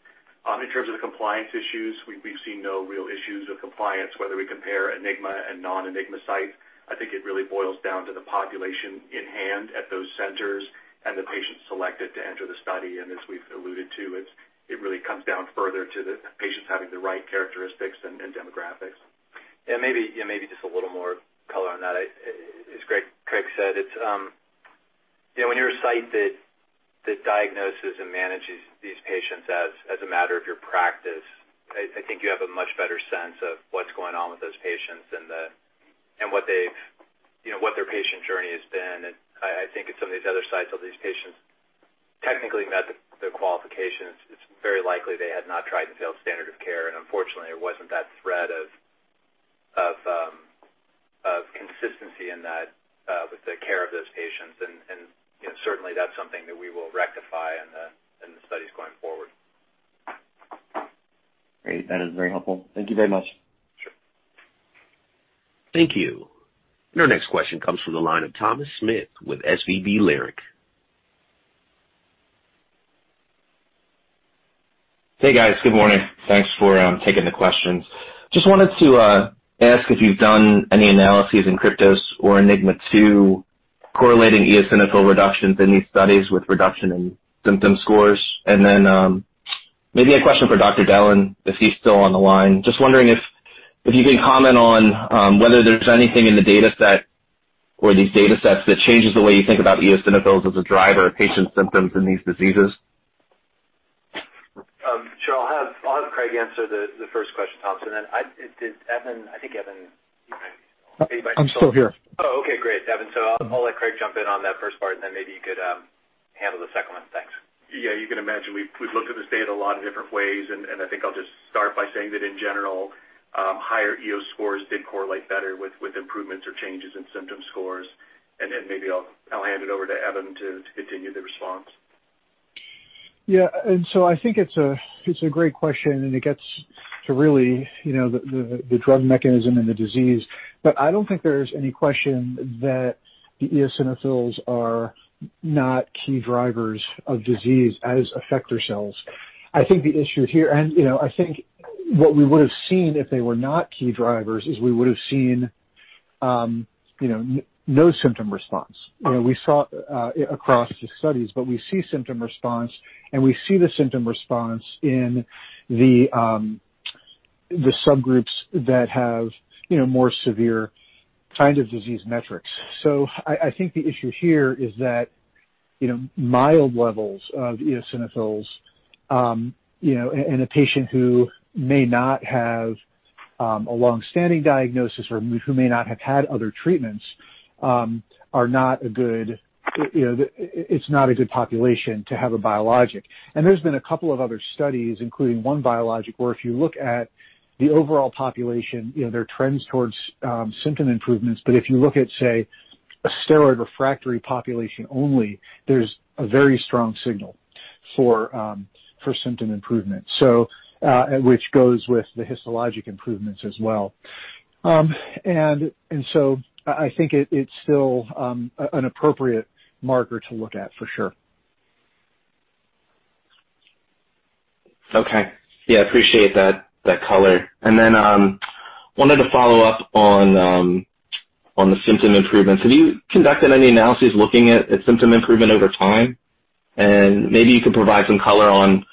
In terms of the compliance issues, we've seen no real issues with compliance, whether we compare ENIGMA and non-ENIGMA sites. I think it really boils down to the population in hand at those centers and the patients selected to enter the study. As we've alluded to, it really comes down further to the patients having the right characteristics and demographics. Maybe, yeah, maybe just a little more color on that. I, as Craig said, it's, you know, when you're a site that diagnoses and manages these patients as a matter of your practice, I think you have a much better sense of what's going on with those patients and what they've, you know, what their patient journey has been. I think at some of these other sites, some of these patients technically met the qualifications. It's very likely they had not tried and failed standard of care, and unfortunately, there wasn't that thread of consistency in that with the care of those patients. You know, certainly, that's something that we will rectify in the studies going forward. Great. That is very helpful. Thank you very much. Sure. Thank you. Our next question comes from the line of Thomas Smith with SVB Leerink. Hey, guys. Good morning. Thanks for taking the questions. Just wanted to ask if you've done any analyses in KRYPTOS or ENIGMA 2 correlating eosinophil reductions in these studies with reduction in symptom scores. Maybe a question for Dr. Dellon, if he's still on the line. Just wondering if you can comment on whether there's anything in the dataset or these datasets that changes the way you think about eosinophils as a driver of patient symptoms in these diseases. Sure. I'll have Craig answer the first question, Thompson. I think Evan, you might be— I'm still here. Oh, okay. Great, Evan. I'll let Craig jump in on that first part, and then maybe you could handle the second one. Thanks. Yeah, you can imagine we've looked at this data a lot of different ways, and I think I'll just start by saying that in general, higher eos scores did correlate better with improvements or changes in symptom scores. Maybe I'll hand it over to Evan to continue the response. Yeah, I think it's a great question, and it gets to really the drug mechanism and the disease. But I don't think there's any question that the eosinophils are not key drivers of disease as effector cells. I think the issue here. I think what we would have seen if they were not key drivers is we would have seen no symptom response. We saw across the studies, but we see symptom response, and we see the symptom response in the subgroups that have more severe kind of disease metrics. I think the issue here is that you know mild levels of eosinophils you know in a patient who may not have a long-standing diagnosis or who may not have had other treatments are not a good you know it's not a good population to have a biologic. There's been a couple of other studies including one biologic where if you look at the overall population you know there are trends towards symptom improvements. If you look at say a steroid refractory population only there's a very strong signal for symptom improvement which goes with the histologic improvements as well. I think it's still an appropriate marker to look at for sure. Okay. Yeah, appreciate that color. Wanted to follow up on the symptom improvements. Have you conducted any analyses looking at symptom improvement over time? Maybe you could provide some color on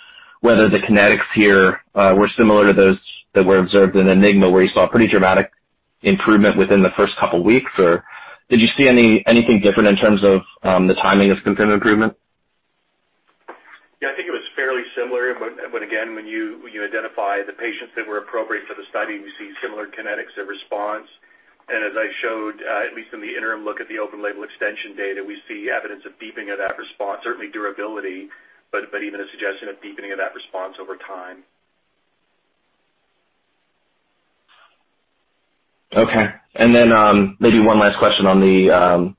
whether the kinetics here were similar to those that were observed in ENIGMA, where you saw a pretty dramatic improvement within the first couple weeks. Did you see anything different in terms of the timing of symptom improvement? Yeah, I think it was fairly similar. Again, when you identify the patients that were appropriate for the study, you see similar kinetics of response. As I showed, at least in the interim look at the open-label extension data, we see evidence of deepening of that response, certainly durability, but even a suggestion of deepening of that response over time. Okay. Maybe one last question on the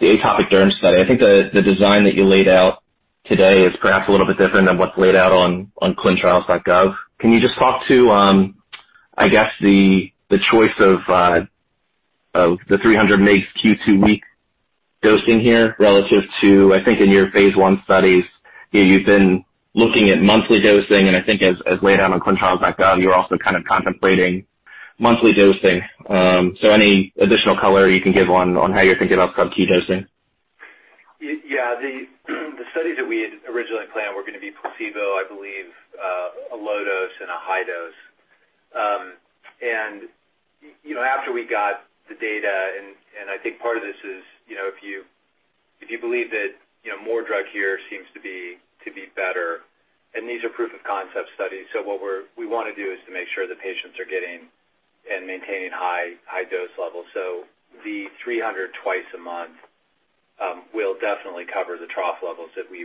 atopic derm study. I think the design that you laid out today is perhaps a little bit different than what's laid out on clinicaltrials.gov. Can you just talk to, I guess the choice of the 300 mg Q2 week dosing here relative to, I think in your phase I studies, you've been looking at monthly dosing, and I think as laid out on clinicaltrials.gov, you were also kind of contemplating monthly dosing. Any additional color you can give on how you're thinking about Q dosing? Yeah. The studies that we had originally planned were gonna be placebo, I believe, a low dose and a high dose. You know, after we got the data and I think part of this is, you know, if you believe that, you know, more drug here seems to be better. These are proof of concept studies, so what we wanna do is to make sure the patients are getting and maintaining high dose levels. The 300 mg twice a month will definitely cover the trough levels that we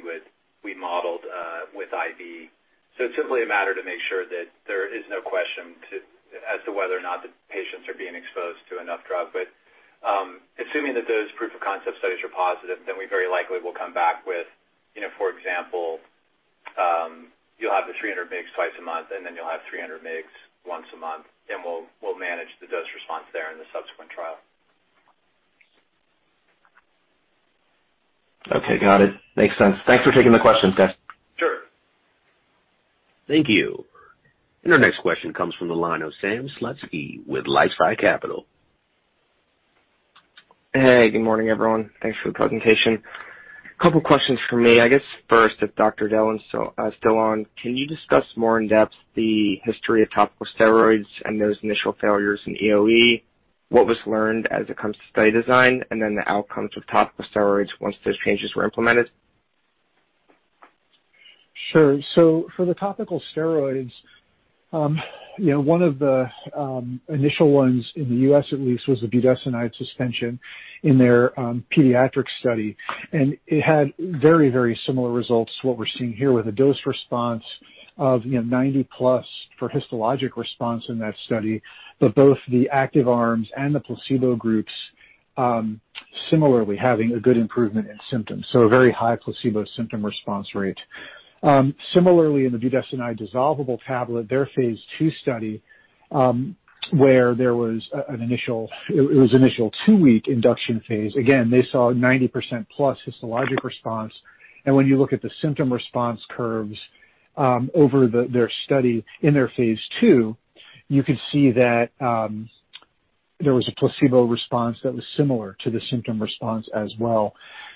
modeled with IV. It's simply a matter of making sure that there is no question as to whether or not the patients are being exposed to enough drug. Assuming that those proof of concept studies are positive, we very likely will come back with, you know, for example, you'll have the 300 mg twice a month, and then you'll have 300 mg once a month, and we'll manage the dose response there in the subsequent trial. Okay. Got it. Makes sense. Thanks for taking the questions, guys. Sure. Thank you. Our next question comes from the line of Sam Slutsky with LifeSci Capital. Hey, good morning, everyone. Thanks for the presentation. Couple questions from me. I guess first, if Dr. Dellon's still on, can you discuss more in depth the history of topical steroids and those initial failures in EoE, what was learned as it comes to study design, and then the outcomes of topical steroids once those changes were implemented? Sure. For the topical steroids, you know, one of the initial ones in the U.S. at least, was the budesonide suspension in their pediatric study. It had very similar results to what we're seeing here with a dose response of 90%+ for histologic response in that study. Both the active arms and the placebo groups similarly having a good improvement in symptoms, so a very high placebo symptom response rate. Similarly in the budesonide dissolvable tablet, their phase II study, where there was an initial two-week induction phase. Again, they saw 90%+ histologic response. When you look at the symptom response curves over their study in their phase II, you could see that there was a placebo response that was similar to the symptom response as well.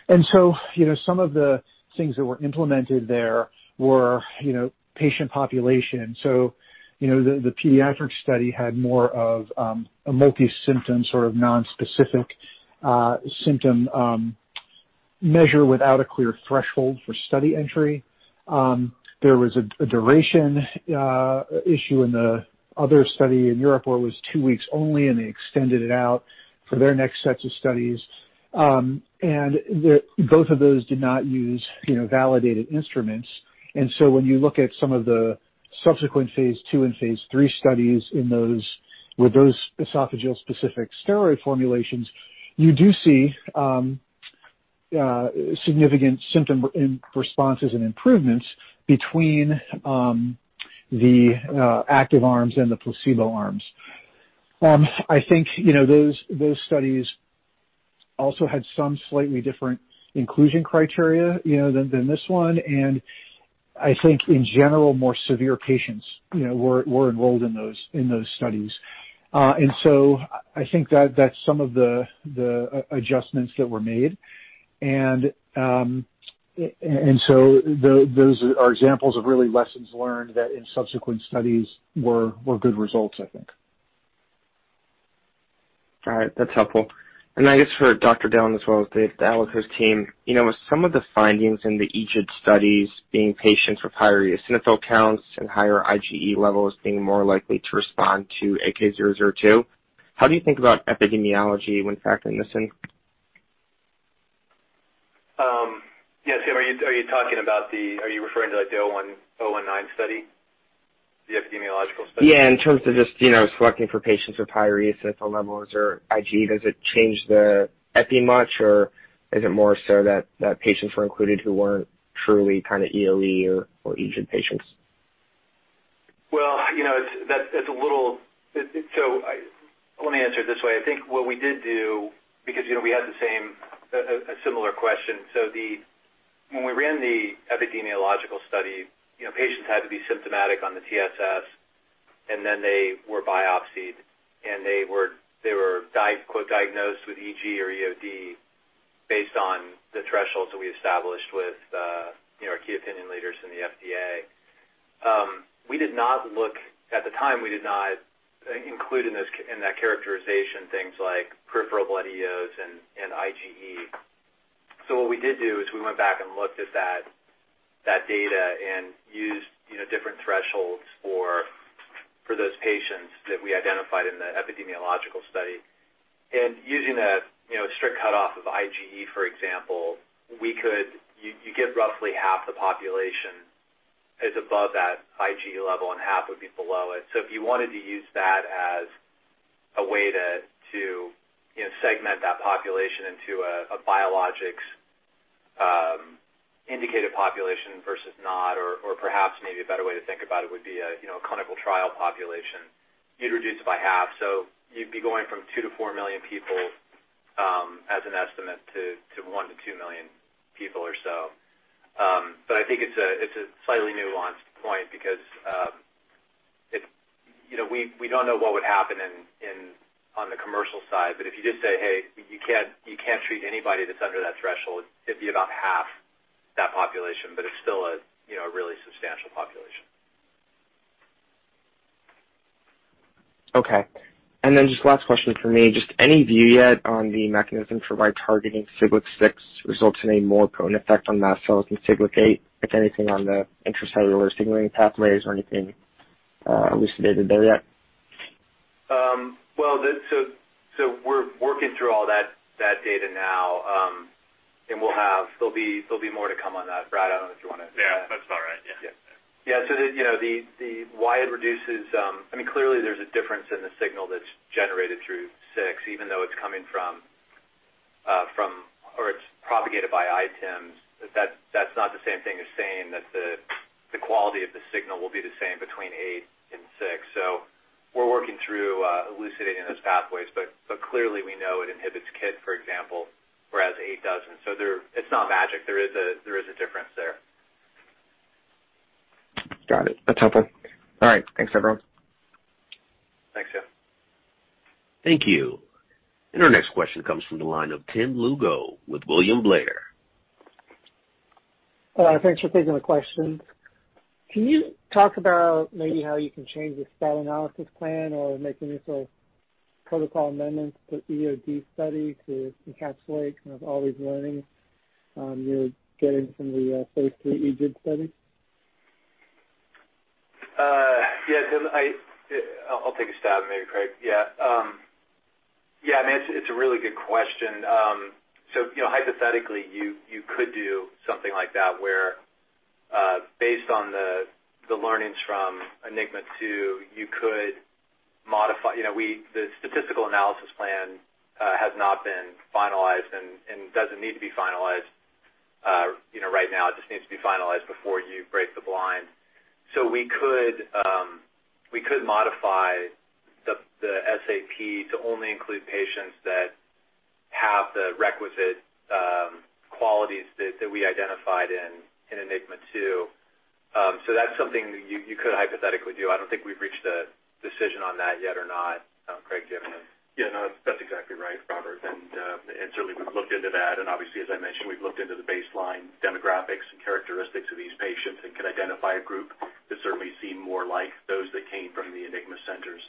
You know, some of the things that were implemented there were, you know, patient population. The pediatric study had more of a multi-symptom, sort of non-specific, symptom measure without a clear threshold for study entry. There was a duration issue in the other study in Europe, where it was two weeks only, and they extended it out for their next sets of studies. Both of those did not use, you know, validated instruments. When you look at some of the subsequent phase II and phase III studies in those with those esophageal-specific steroid formulations, you do see significant symptomatic responses and improvements between the active arms and the placebo arms. I think, you know, those studies also had some slightly different inclusion criteria, you know, than this one. I think in general, more severe patients, you know, were enrolled in those studies. I think that's some of the adjustments that were made. Those are examples of really lessons learned that in subsequent studies were good results, I think. All right. That's helpful. I guess for Dr. Dellon as well as the Allakos team, you know, with some of the findings in the EGID studies being patients with higher eosinophil counts and higher IgE levels being more likely to respond to AK002, how do you think about epidemiology when factoring this in? Yeah, Sam, are you referring to, like, the 019 study? The epidemiological study? Yeah. In terms of just, you know, selecting for patients with higher eosinophil levels or IgE, does it change the epi much, or is it more so that patients were included who weren't truly kind of EoE or EGID patients? Well, you know, that's a little. Let me answer it this way. I think what we did do, because, you know, we had the same, a similar question. When we ran the epidemiological study, you know, patients had to be symptomatic on the TSS, and then they were biopsied and diagnosed with EG or EoD based on the thresholds that we established with, you know, our key opinion leaders in the FDA. At the time, we did not include in this, in that characterization things like peripheral blood eos and IgE. What we did do is we went back and looked at that data and used, you know, different thresholds for those patients that we identified in the epidemiological study. Using a you know strict cutoff of IgE, for example, we could. You get roughly half the population is above that IgE level and half would be below it. If you wanted to use that as a way to you know segment that population into a biologics indicated population versus not, or perhaps maybe a better way to think about it would be a you know clinical trial population, you'd reduce it by half. You'd be going from 2 million-4 million people as an estimate to 1 million-2 million people or so. I think it's a slightly nuanced point because it's—ou know, we don't know what would happen on the commercial side. If you did say, "Hey, you can't treat anybody that's under that threshold," it'd be about half that population, but it's still a, you know, a really substantial population. Okay. Just last question from me. Just any view yet on the mechanism for why targeting Siglec-6 results in a more potent effect on mast cells than Siglec-8? Like, anything on the intracellular signaling pathways or anything elucidated there yet? We're working through all that data now, and there'll be more to come on that. Brad, I don't know if you wanna— Yeah, that's about right. Yeah. Yeah. The why it reduces. I mean, clearly there's a difference in the signal that's generated through Siglec-6, even though it's coming from, or it's propagated by ITIMs. That's not the same thing as saying that the quality of the signal will be the same between Siglec-8 and Siglec-6. We're working through elucidating those pathways, but clearly we know it inhibits KIT, for example, whereas Siglec-8 doesn't. It's not magic. There is a difference there. Got it. That's helpful. All right. Thanks, everyone. Thank you too. Thank you. Our next question comes from the line of Tim Lugo with William Blair. Thanks for taking the question. Can you talk about maybe how you can change the stat analysis plan or make any sort of protocol amendments to EoD study to encapsulate kind of all these learnings you're getting from the phase III EGID study? Yeah. Tim, I'll take a stab, and then maybe Craig. Yeah. I mean, it's a really good question. So, you know, hypothetically you could do something like that where, based on the learnings from ENIGMA 2, you could modify the statistical analysis plan. It has not been finalized and doesn't need to be finalized right now. It just needs to be finalized before you break the blind. So we could modify the SAP to only include patients that have the requisite qualities that we identified in ENIGMA 2. So that's something you could hypothetically do. I don't think we've reached a decision on that yet or not. Craig, do you have an— Yeah, no, that's exactly right, Robert. Certainly we've looked into that. Obviously, as I mentioned, we've looked into the baseline demographics and characteristics of these patients and can identify a group that certainly seem more like those that came from the ENIGMA centers.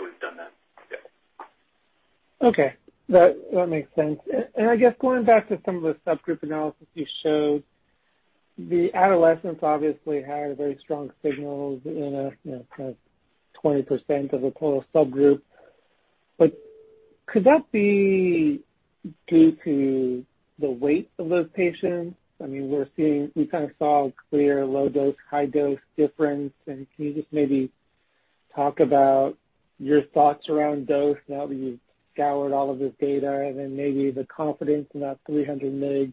We've done that. Yeah. Okay. That makes sense. I guess going back to some of the subgroup analysis you showed, the adolescents obviously had very strong signals in a, you know, kind of 20% of the total subgroup. Could that be due to the weight of those patients? I mean, we kind of saw a clear low dose, high dose difference. Can you just maybe talk about your thoughts around dose now that you've scoured all of this data, and then maybe the confidence in that 300 mg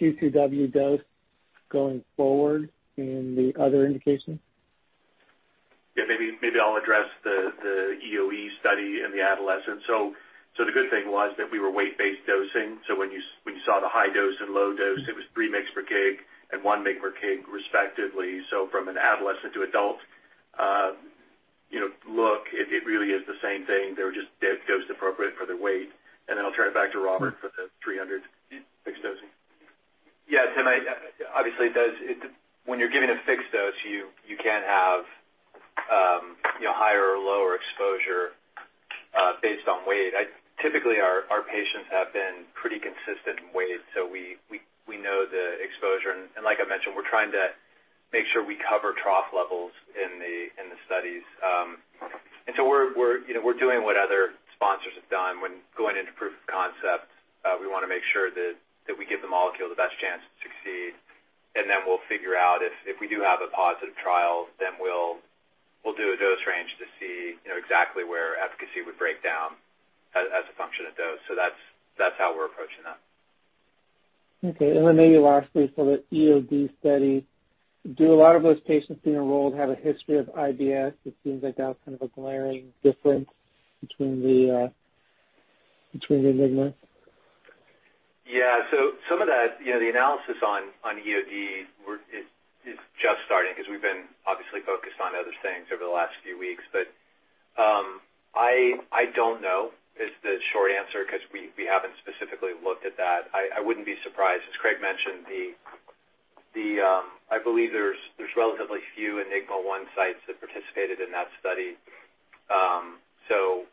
Q2W dose going forward in the other indications? Yeah. Maybe I'll address the EoE study in the adolescent. The good thing was that we were weight-based dosing, so when you saw the high dose and low dose, it was 3 mg/kg and 1 mg/kg respectively. From an adolescent to adult, you know, look, it really is the same thing. They were just dosed appropriate for their weight. I'll turn it back to Robert for the 300 mg fixed dosing. Yeah. Tim, obviously it does—when you're giving a fixed dose, you can't have, you know, higher or lower exposure based on weight. Typically, our patients have been pretty consistent in weight, so we know the exposure. Like I mentioned, we're trying to make sure we cover trough levels in the studies. We're, you know, doing what other sponsors have done when going into proof of concept. We wanna make sure that we give the molecule the best chance to succeed, and then we'll figure out if we do have a positive trial, then we'll do a dose range to see, you know, exactly where efficacy would break down as a function of dose. That's how we're approaching that. Okay. Maybe lastly for the EoD study, do a lot of those patients being enrolled have a history of IBS? It seems like that's kind of a glaring difference between the ENIGMA. Yeah. Some of that, you know, the analysis on EoD is just starting 'cause we've been obviously focused on other things over the last few weeks. I don't know is the short answer, 'cause we haven't specifically looked at that. I wouldn't be surprised. As Craig mentioned, I believe there's relatively few ENIGMA 1 sites that participated in that study.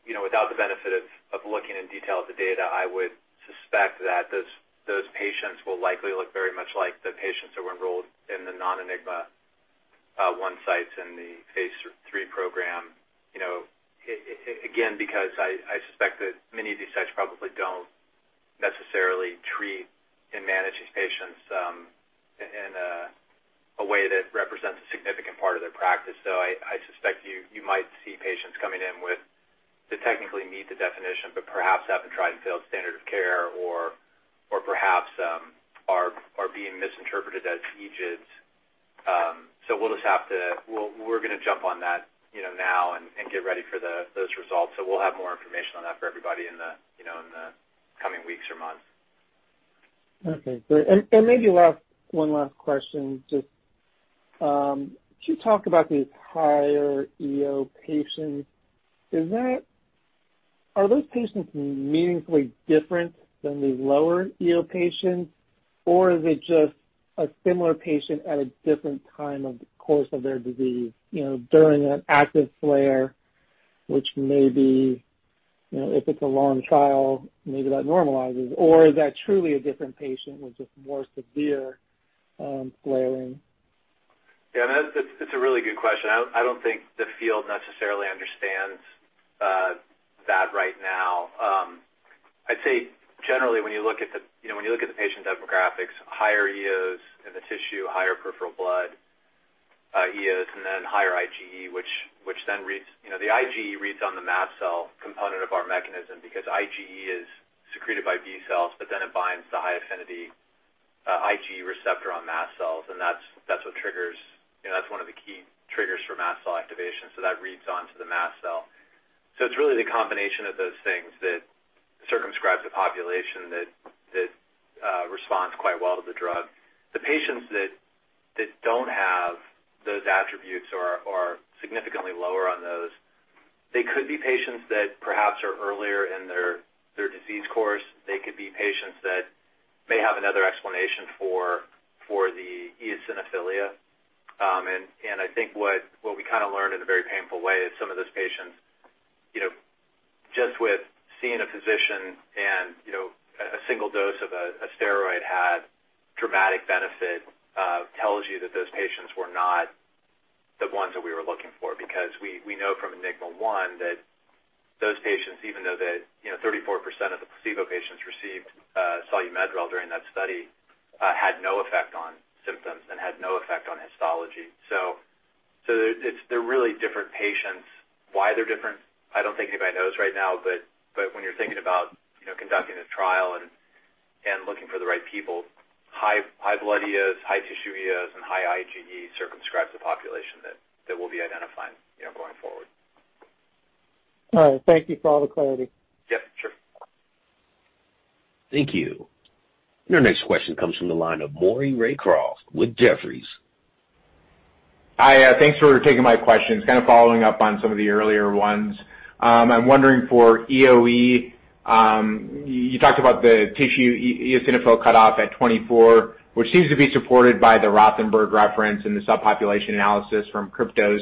You know, without the benefit of looking in detail at the data, I would suspect that those patients will likely look very much like the patients that were enrolled in the non-ENIGMA 1 sites in the phase III program. You know, again, because I suspect that many of these sites probably don't necessarily treat and manage these patients in a way that represents a significant part of their practice. I suspect you might see patients coming in with that technically meet the definition, but perhaps haven't tried and failed standard of care or perhaps are being misinterpreted as EGIDs. We'll just have to. We're gonna jump on that, you know, now and get ready for those results. We'll have more information on that for everybody in the, you know, coming weeks or months. Okay, great. And maybe one last question, just, could you talk about the higher-eos patients? Are those patients meaningfully different than the lower-eos patients or is it just a similar patient at a different time of the course of their disease, you know, during an active flare which may be, you know, if it's a long trial, maybe that normalizes? Or is that truly a different patient with just more severe flaring? Yeah, no, it's a really good question. I don't think the field necessarily understands that right now. I'd say generally when you look at the patient demographics, higher eos in the tissue, higher peripheral blood eos and then higher IgE which then reads on the mast cell component of our mechanism because IgE is secreted by B cells, but then it binds the high affinity IgE receptor on mast cells and that's what triggers, you know, that's one of the key triggers for mast cell activation. So that reads onto the mast cell. So it's really the combination of those things that circumscribes a population that responds quite well to the drug. The patients that don't have those attributes or are significantly lower on those, they could be patients that perhaps are earlier in their disease course. They could be patients that may have another explanation for the eosinophilia. I think what we kinda learned in a very painful way is some of those patients, you know, just with seeing a physician and, you know, a single dose of a steroid had dramatic benefit, tells you that those patients were not the ones that we were looking for because we know from ENIGMA 1 that those patients, even though they, you know, 34% of the placebo patients received Solu-Medrol during that study, had no effect on symptoms and had no effect on histology. They're really different patients. Why they're different, I don't think anybody knows right now, but when you're thinking about, you know, conducting a trial and looking for the right people, high blood eos, high tissue eos and high IgE circumscribes the population that we'll be identifying, you know, going forward. All right. Thank you for all the clarity. Yep, sure. Thank you. Our next question comes from the line of Maury Raycroft with Jefferies. Hi, thanks for taking my questions. Kind of following up on some of the earlier ones. I'm wondering for EoE, you talked about the tissue eosinophil cutoff at 24, which seems to be supported by the Rothenberg reference in the subpopulation analysis from KRYPTOS.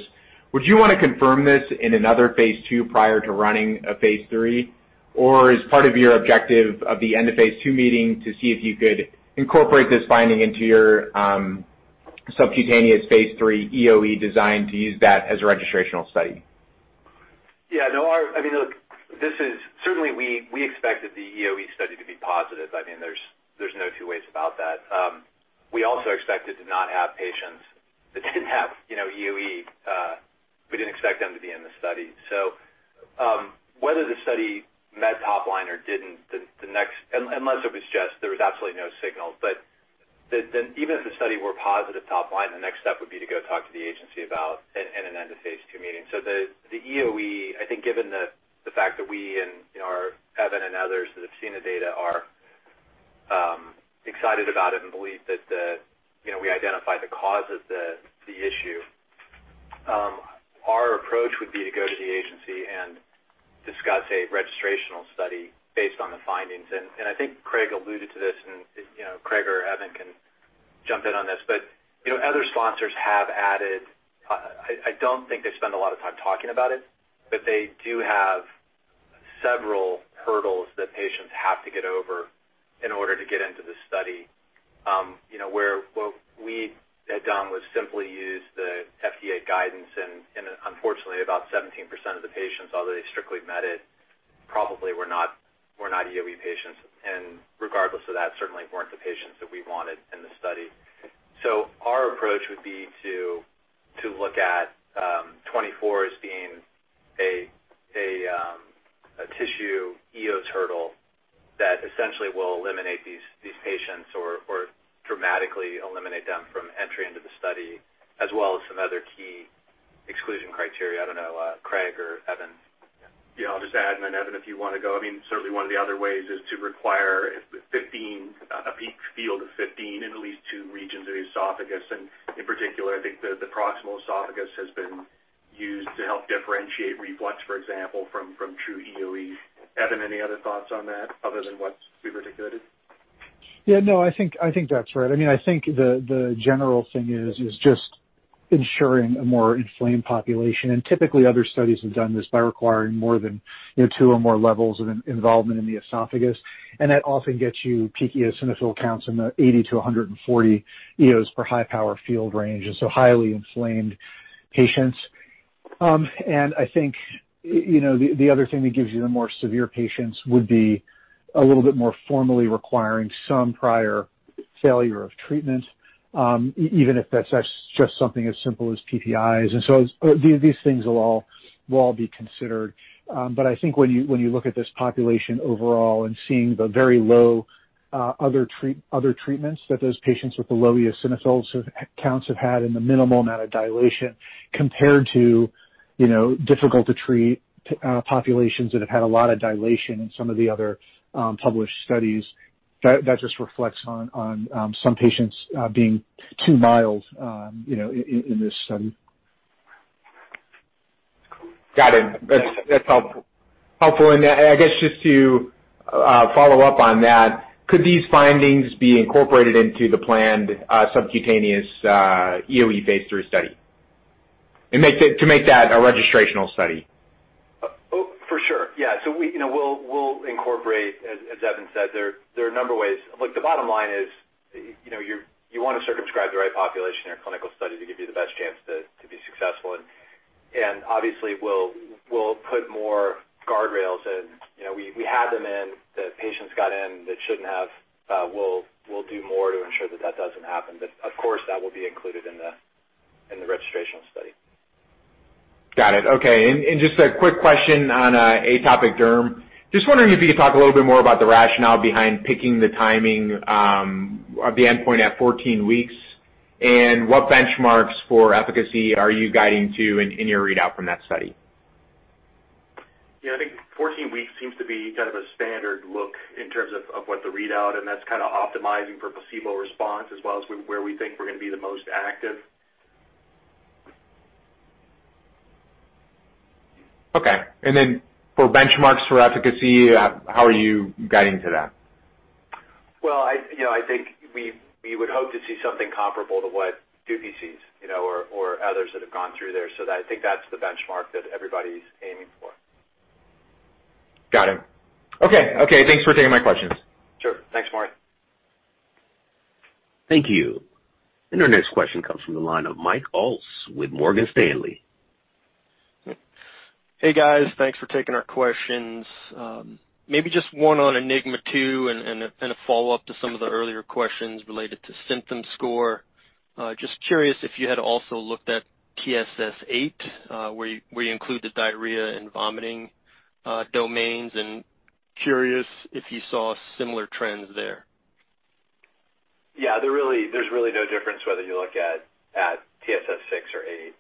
Would you wanna confirm this in another phase II prior to running a phase III? Or is part of your objective of the end of phase II meeting to see if you could incorporate this finding into your, subcutaneous phase III EoE design to use that as a registrational study? Yeah, no, I mean, look, certainly we expect the EoE study to be positive. I mean, there's no two ways about that. We also expected to not have patients that didn't have, you know, EoE. We didn't expect them to be in the study. Whether the study met top line or didn't, the next unless it was just there was absolutely no signal. But even if the study were positive top line, the next step would be to go talk to the agency about an end-of-phase II meeting. The EoE, I think given the fact that we and you know Evan and others that have seen the data are excited about it and believe that you know we identified the cause of the issue, our approach would be to go to the agency and discuss a registrational study based on the findings. I think Craig alluded to this and you know, Craig or Evan can jump in on this, but you know other sponsors have added, I don't think they spend a lot of time talking about it, but they do have several hurdles that patients have to get over in order to get into the study. You know, what we had done was simply use the FDA guidance and unfortunately about 17% of the patients, although they strictly met it, probably were not EoE patients and regardless of that, certainly weren't the patients that we wanted in the study. Our approach would be to look at 24 as being a tissue eosinophil hurdle that essentially will eliminate these patients or dramatically eliminate them from entry into the study, as well as some other key exclusion criteria. I don't know, Craig or Evan. Yeah, I'll just add, and then Evan, if you wanna go. I mean, certainly one of the other ways is to require 15, a peak field of 15 in at least two regions of the esophagus. In particular, I think the proximal esophagus has been used to help differentiate reflux, for example, from true EoE. Evan, any other thoughts on that other than what we've articulated? Yeah, no, I think that's right. I mean, I think the general thing is just ensuring a more inflamed population. Typically other studies have done this by requiring more than, you know, two or more levels of involvement in the esophagus. That often gets you peak eosinophil counts in the 80-140 eos per high-power field range, so highly inflamed patients. I think you know, the other thing that gives you the more severe patients would be a little bit more formally requiring some prior failure of treatment, even if that's just something as simple as PPIs. These things will all be considered. I think when you look at this population overall and seeing the very low other treatments that those patients with the low eosinophil counts have had and the minimal amount of dilation compared to, you know, difficult to treat populations that have had a lot of dilation in some of the other published studies, that just reflects on some patients being too mild, you know, in this study. Got it. That's helpful. I guess just to follow up on that, could these findings be incorporated into the planned subcutaneous EoE phase III study? To make that a registrational study? For sure. We, you know, we'll incorporate, as Evan said, there are a number of ways. Look, the bottom line is, you know, you wanna circumscribe the right population in a clinical study to give you the best chance to be successful. Obviously, we'll put more guardrails. You know, we had them in, the patients got in that shouldn't have. We'll do more to ensure that that doesn't happen. Of course, that will be included in the registrational study. Got it. Okay. Just a quick question on atopic derm. Just wondering if you could talk a little bit more about the rationale behind picking the timing of the endpoint at 14 weeks, and what benchmarks for efficacy are you guiding to in your readout from that study? Yeah. I think 14 weeks seems to be kind of a standard look in terms of what the readout, and that's kinda optimizing for placebo response as well as where we think we're gonna be the most active. For benchmarks for efficacy, how are you guiding to that? Well, you know, I think we would hope to see something comparable to what dupilumab, you know, or others that have gone through there. That, I think, is the benchmark that everybody's aiming for. Got it. Okay. Okay, thanks for taking my questions. Sure. Thanks, Maury. Thank you. Our next question comes from the line of Mike Ulz with Morgan Stanley. Hey, guys. Thanks for taking our questions. Maybe just one on ENIGMA 2 and a follow-up to some of the earlier questions related to symptom score. Just curious if you had also looked at TSS-8, where you include the diarrhea and vomiting domains, and curious if you saw similar trends there? Yeah, there's really no difference whether you look at TSS-6 or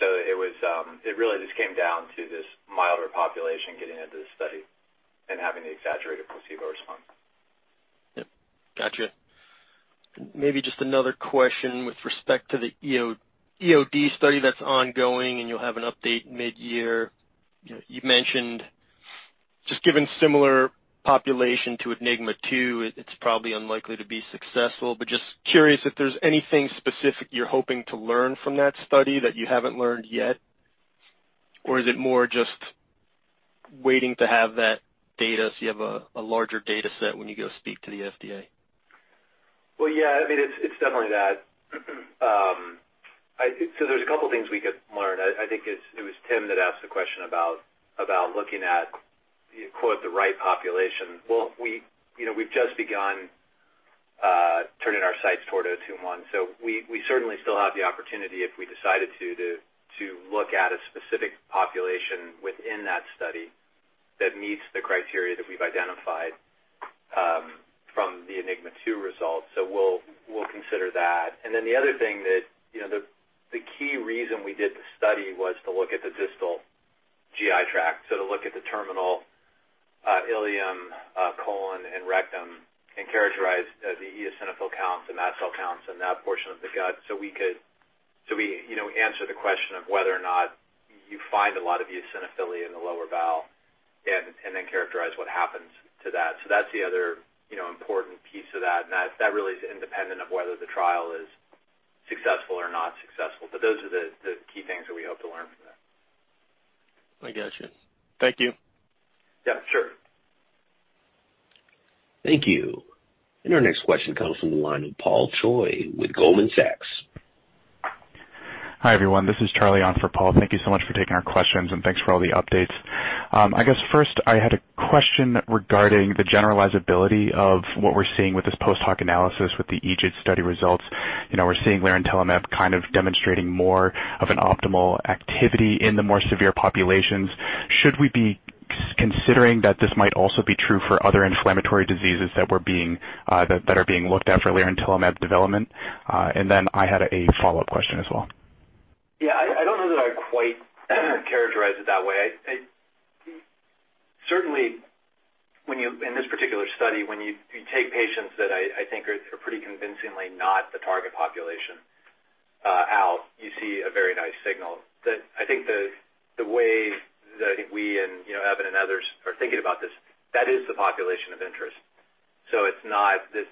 TSS-8. It really just came down to this milder population getting into the study and having the exaggerated placebo response. Yep. Gotcha. Maybe just another question with respect to the EoD study that's ongoing, and you'll have an update mid-year. You know, you've mentioned just given similar population to ENIGMA 2, it's probably unlikely to be successful. Just curious if there's anything specific you're hoping to learn from that study that you haven't learned yet, or is it more just waiting to have that data so you have a larger data set when you go speak to the FDA? Well, yeah, I mean, it's definitely that. There's a couple things we could learn. I think it was Tim that asked the question about looking at the, quote, "the right population." Well, you know, we've just begun turning our sights toward AK002-021. We certainly still have the opportunity if we decided to look at a specific population within that study that meets the criteria that we've identified from the ENIGMA 2 results. We'll consider that. Then the other thing that, you know, the key reason we did the study was to look at the distal GI tract, so to look at the terminal ileum, colon and rectum, and characterize the eosinophil counts and mast cell counts in that portion of the gut so we could, you know, answer the question of whether or not you find a lot of eosinophilia in the lower bowel and then characterize what happens to that. That's the other, you know, important piece of that. That really is independent of whether the trial is successful or not successful. Those are the key things that we hope to learn from that. I gotcha. Thank you. Yeah, sure. Thank you. Our next question comes from the line of Paul Choi with Goldman Sachs. Hi, everyone. This is Charlie on for Paul. Thank you so much for taking our questions, and thanks for all the updates. I guess first I had a question regarding the generalizability of what we're seeing with this post hoc analysis with the EGID study results. You know, we're seeing lirentelimab kind of demonstrating more of an optimal activity in the more severe populations. Should we be considering that this might also be true for other inflammatory diseases that are being looked at for lirentelimab development? I had a follow-up question as well. Yeah. I don't know that I'd quite characterize it that way. Certainly, in this particular study, when you take patients that I think are pretty convincingly not the target population out, you see a very nice signal. I think the way that I think we and, you know, Evan and others are thinking about this, that is the population of interest. So it's not this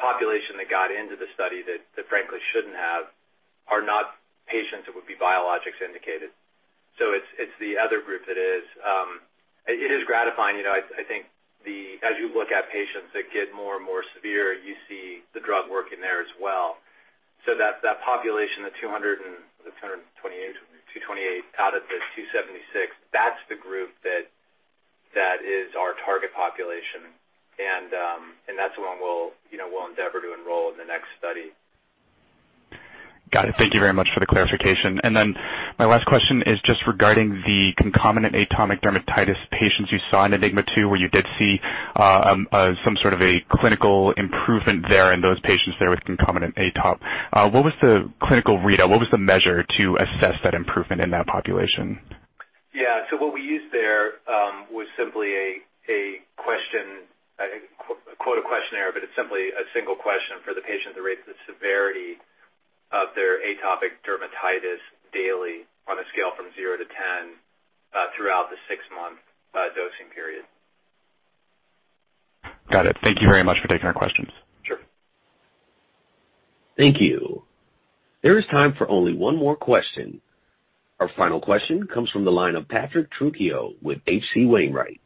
population that got into the study that frankly shouldn't have, are not patients that would be biologics indicated. So it's the other group that is. It is gratifying, you know, I think. As you look at patients that get more and more severe, you see the drug working there as well. That population, the 228 out of the 276, that's the group that is our target population. That's the one we'll, you know, endeavor to enroll in the next study. Got it. Thank you very much for the clarification. My last question is just regarding the concomitant atopic dermatitis patients you saw in ENIGMA 2, where you did see some sort of a clinical improvement there in those patients there with concomitant atopic. What was the clinical readout? What was the measure to assess that improvement in that population? What we used there was simply a question, I think, quote a questionnaire, but it's simply a single question for the patient to rate the severity of their atopic dermatitis daily on a scale from 0 to 10 throughout the six-month dosing period. Got it. Thank you very much for taking our questions. Sure. Thank you. There is time for only one more question. Our final question comes from the line of Patrick Trucchio with H.C. Wainwright.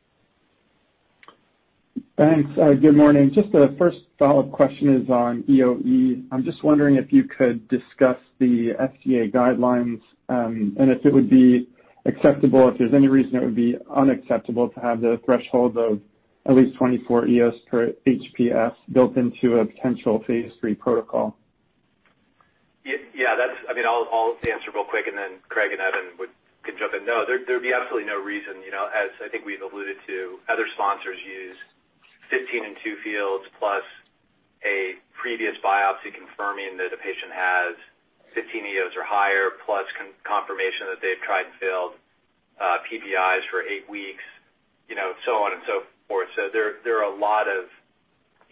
Thanks. Good morning. Just a first follow-up question is on EoE. I'm just wondering if you could discuss the FDA guidelines, and if it would be acceptable, if there's any reason it would be unacceptable to have the threshold of at least 24 eos per HPF built into a potential phase III protocol? Yeah, that's—I mean, I'll answer real quick, and then Craig and Evan can jump in. No, there'd be absolutely no reason, you know, as I think we've alluded to, other sponsors use 15- and 2-fields plus a previous biopsy confirming that a patient has 15 eos or higher, plus confirmation that they've tried and failed PPIs for eight weeks, you know, so on and so forth. So there are a lot of,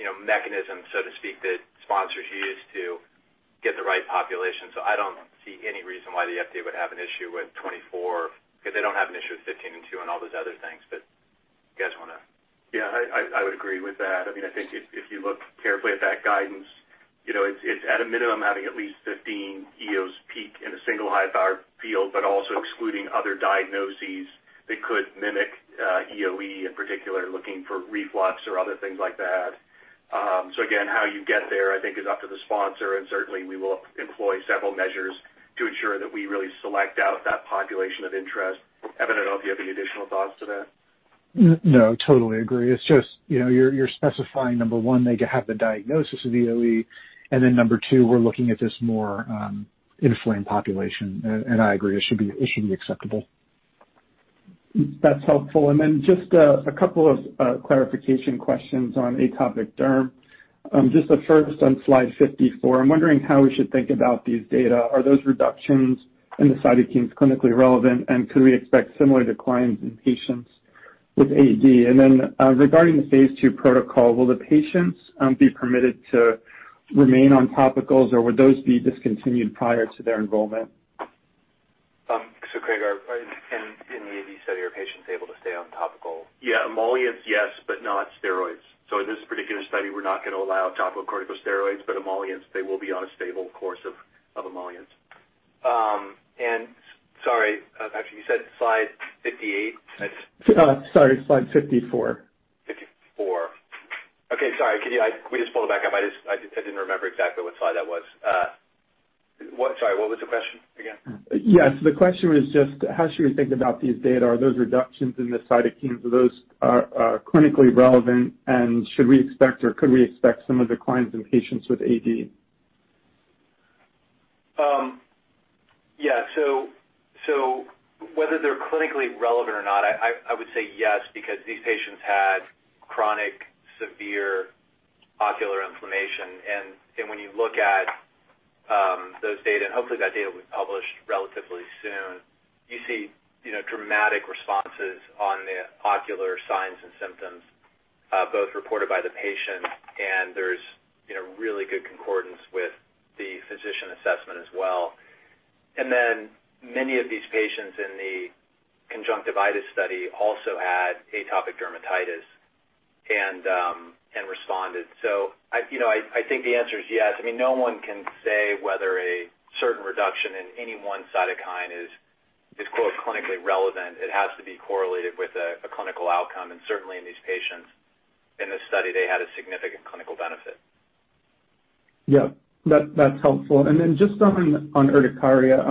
you know, mechanisms, so to speak, that sponsors use to get the right population. So I don't see any reason why the FDA would have an issue with 24 if they don't have an issue with 15 and 2 and all those other things. But you guys wanna? Yeah, I would agree with that. I mean, I think if you look carefully at that guidance, you know, it's at a minimum having at least 15 eos per a single high-power field, but also excluding other diagnoses that could mimic EoE, in particular, looking for reflux or other things like that. So again, how you get there, I think is up to the sponsor, and certainly we will employ several measures to ensure that we really select out that population of interest. Evan, I don't know if you have any additional thoughts to that. No, totally agree. It's just, you know, you're specifying number one, they have the diagnosis of EoE, and then number two, we're looking at this more inflamed population. I agree it should be acceptable. That's helpful. Just a couple of clarification questions on atopic derm. Just the first on slide 54. I'm wondering how we should think about these data. Are those reductions in the cytokines clinically relevant, and could we expect similar declines in patients with AD? Regarding the phase II protocol, will the patients be permitted to remain on topicals, or would those be discontinued prior to their enrollment? Craig, in the AD study, are patients able to stay on topical? Yeah. Emollients, yes, but not steroids. In this particular study, we're not gonna allow topical corticosteroids, but emollients, they will be on a stable course of emollients. Sorry, Patrick, you said slide 58? Sorry, slide 54. Fifty-four. Okay, sorry. Can we just pull it back up? I didn't remember exactly what slide that was. Sorry, what was the question again? Yes. The question was just how should we think about these data? Are those reductions in the cytokines clinically relevant, and should we expect or could we expect some of the declines in patients with AD? Yeah. Whether they're clinically relevant or not, I would say yes, because these patients had chronic severe ocular inflammation. When you look at those data, and hopefully that data will be published relatively soon, you see, you know, dramatic responses on the ocular signs and symptoms, both reported by the patient, and there's, you know, really good concordance with the physician assessment as well. Then many of these patients in the conjunctivitis study also had atopic dermatitis and responded. I think the answer is yes. I mean, no one can say whether a certain reduction in any one cytokine is, quote, "clinically relevant." It has to be correlated with a clinical outcome. Certainly in these patients in this study, they had a significant clinical benefit. Yeah. That's helpful. Just on urticaria,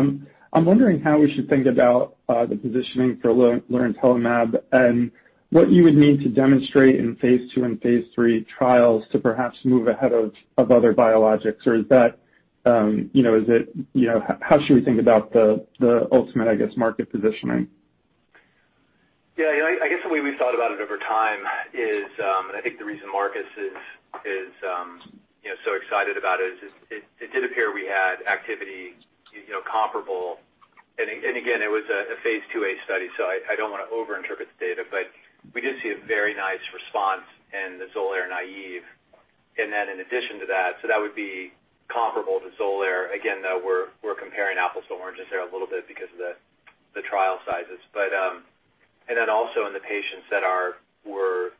I'm wondering how we should think about the positioning for lirentelimab and what you would need to demonstrate in phase II and phase III trials to perhaps move ahead of other biologics. You know, how should we think about the ultimate, I guess, market positioning? Yeah, you know, I guess the way we thought about it over time is, and I think the reason Marcus is, you know, so excited about it is it did appear we had activity, you know, comparable. Again, it was a phase II-A study, so I don't wanna overinterpret the data, but we did see a very nice response in the Xolair naive. Then in addition to that would be comparable to Xolair. Again, though, we're comparing apples to oranges there a little bit because of the trial sizes. Then also in the patients that were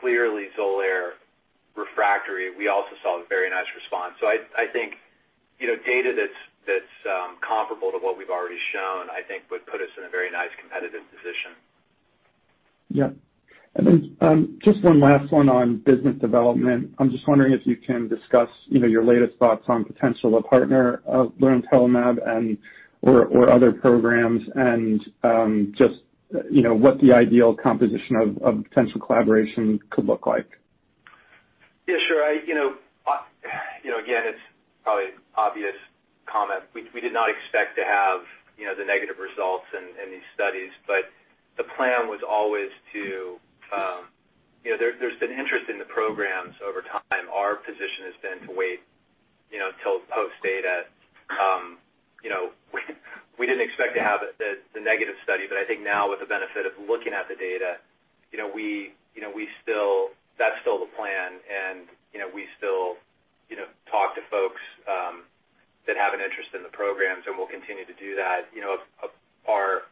clearly Xolair refractory, we also saw a very nice response. I think, you know, data that's comparable to what we've already shown, I think would put us in a very nice competitive position. Just one last one on business development. I'm just wondering if you can discuss your latest thoughts on potential partnership for lirentelimab and/or other programs, and what the ideal composition of potential collaboration could look like. Yeah, sure. You know, again, it's probably obvious comment. We did not expect to have, you know, the negative results in these studies, but the plan was always to, you know, there's been interest in the programs over time. Our position has been to wait, you know, till post data. You know, we didn't expect to have the negative study, but I think now with the benefit of looking at the data, you know, we still. That's still the plan and, you know, we still, you know, talk to folks that have an interest in the programs, and we'll continue to do that. You know, our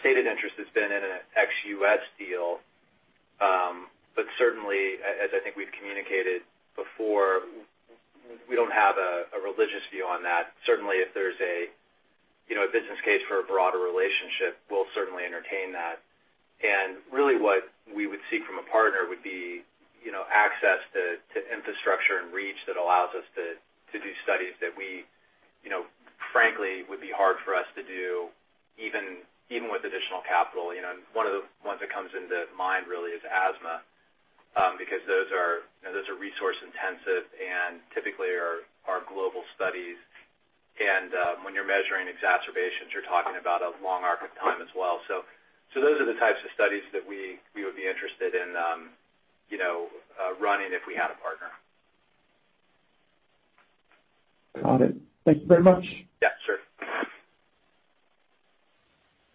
stated interest has been in an ex-U.S. deal, but certainly as I think we've communicated before, we don't have a religious view on that. Certainly if there's a you know a business case for a broader relationship, we'll certainly entertain that. Really what we would seek from a partner would be you know access to infrastructure and reach that allows us to do studies that we you know frankly would be hard for us to do even with additional capital you know. One of the ones that comes to mind really is asthma because those are resource intensive and typically are global studies. When you're measuring exacerbations, you're talking about a long arc of time as well. Those are the types of studies that we would be interested in you know running if we had a partner. Got it. Thank you very much. Yeah, sure.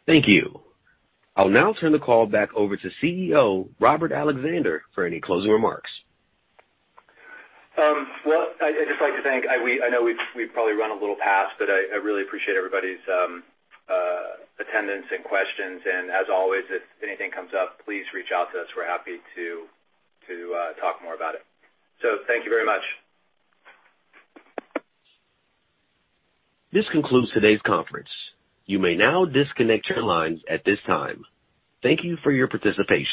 Thank you. I'll now turn the call back over to CEO Robert Alexander for any closing remarks. Well, I know we've probably run a little past, but I really appreciate everybody's attendance and questions. As always, if anything comes up, please reach out to us. We're happy to talk more about it. Thank you very much. This concludes today's conference. You may now disconnect your lines at this time. Thank you for your participation.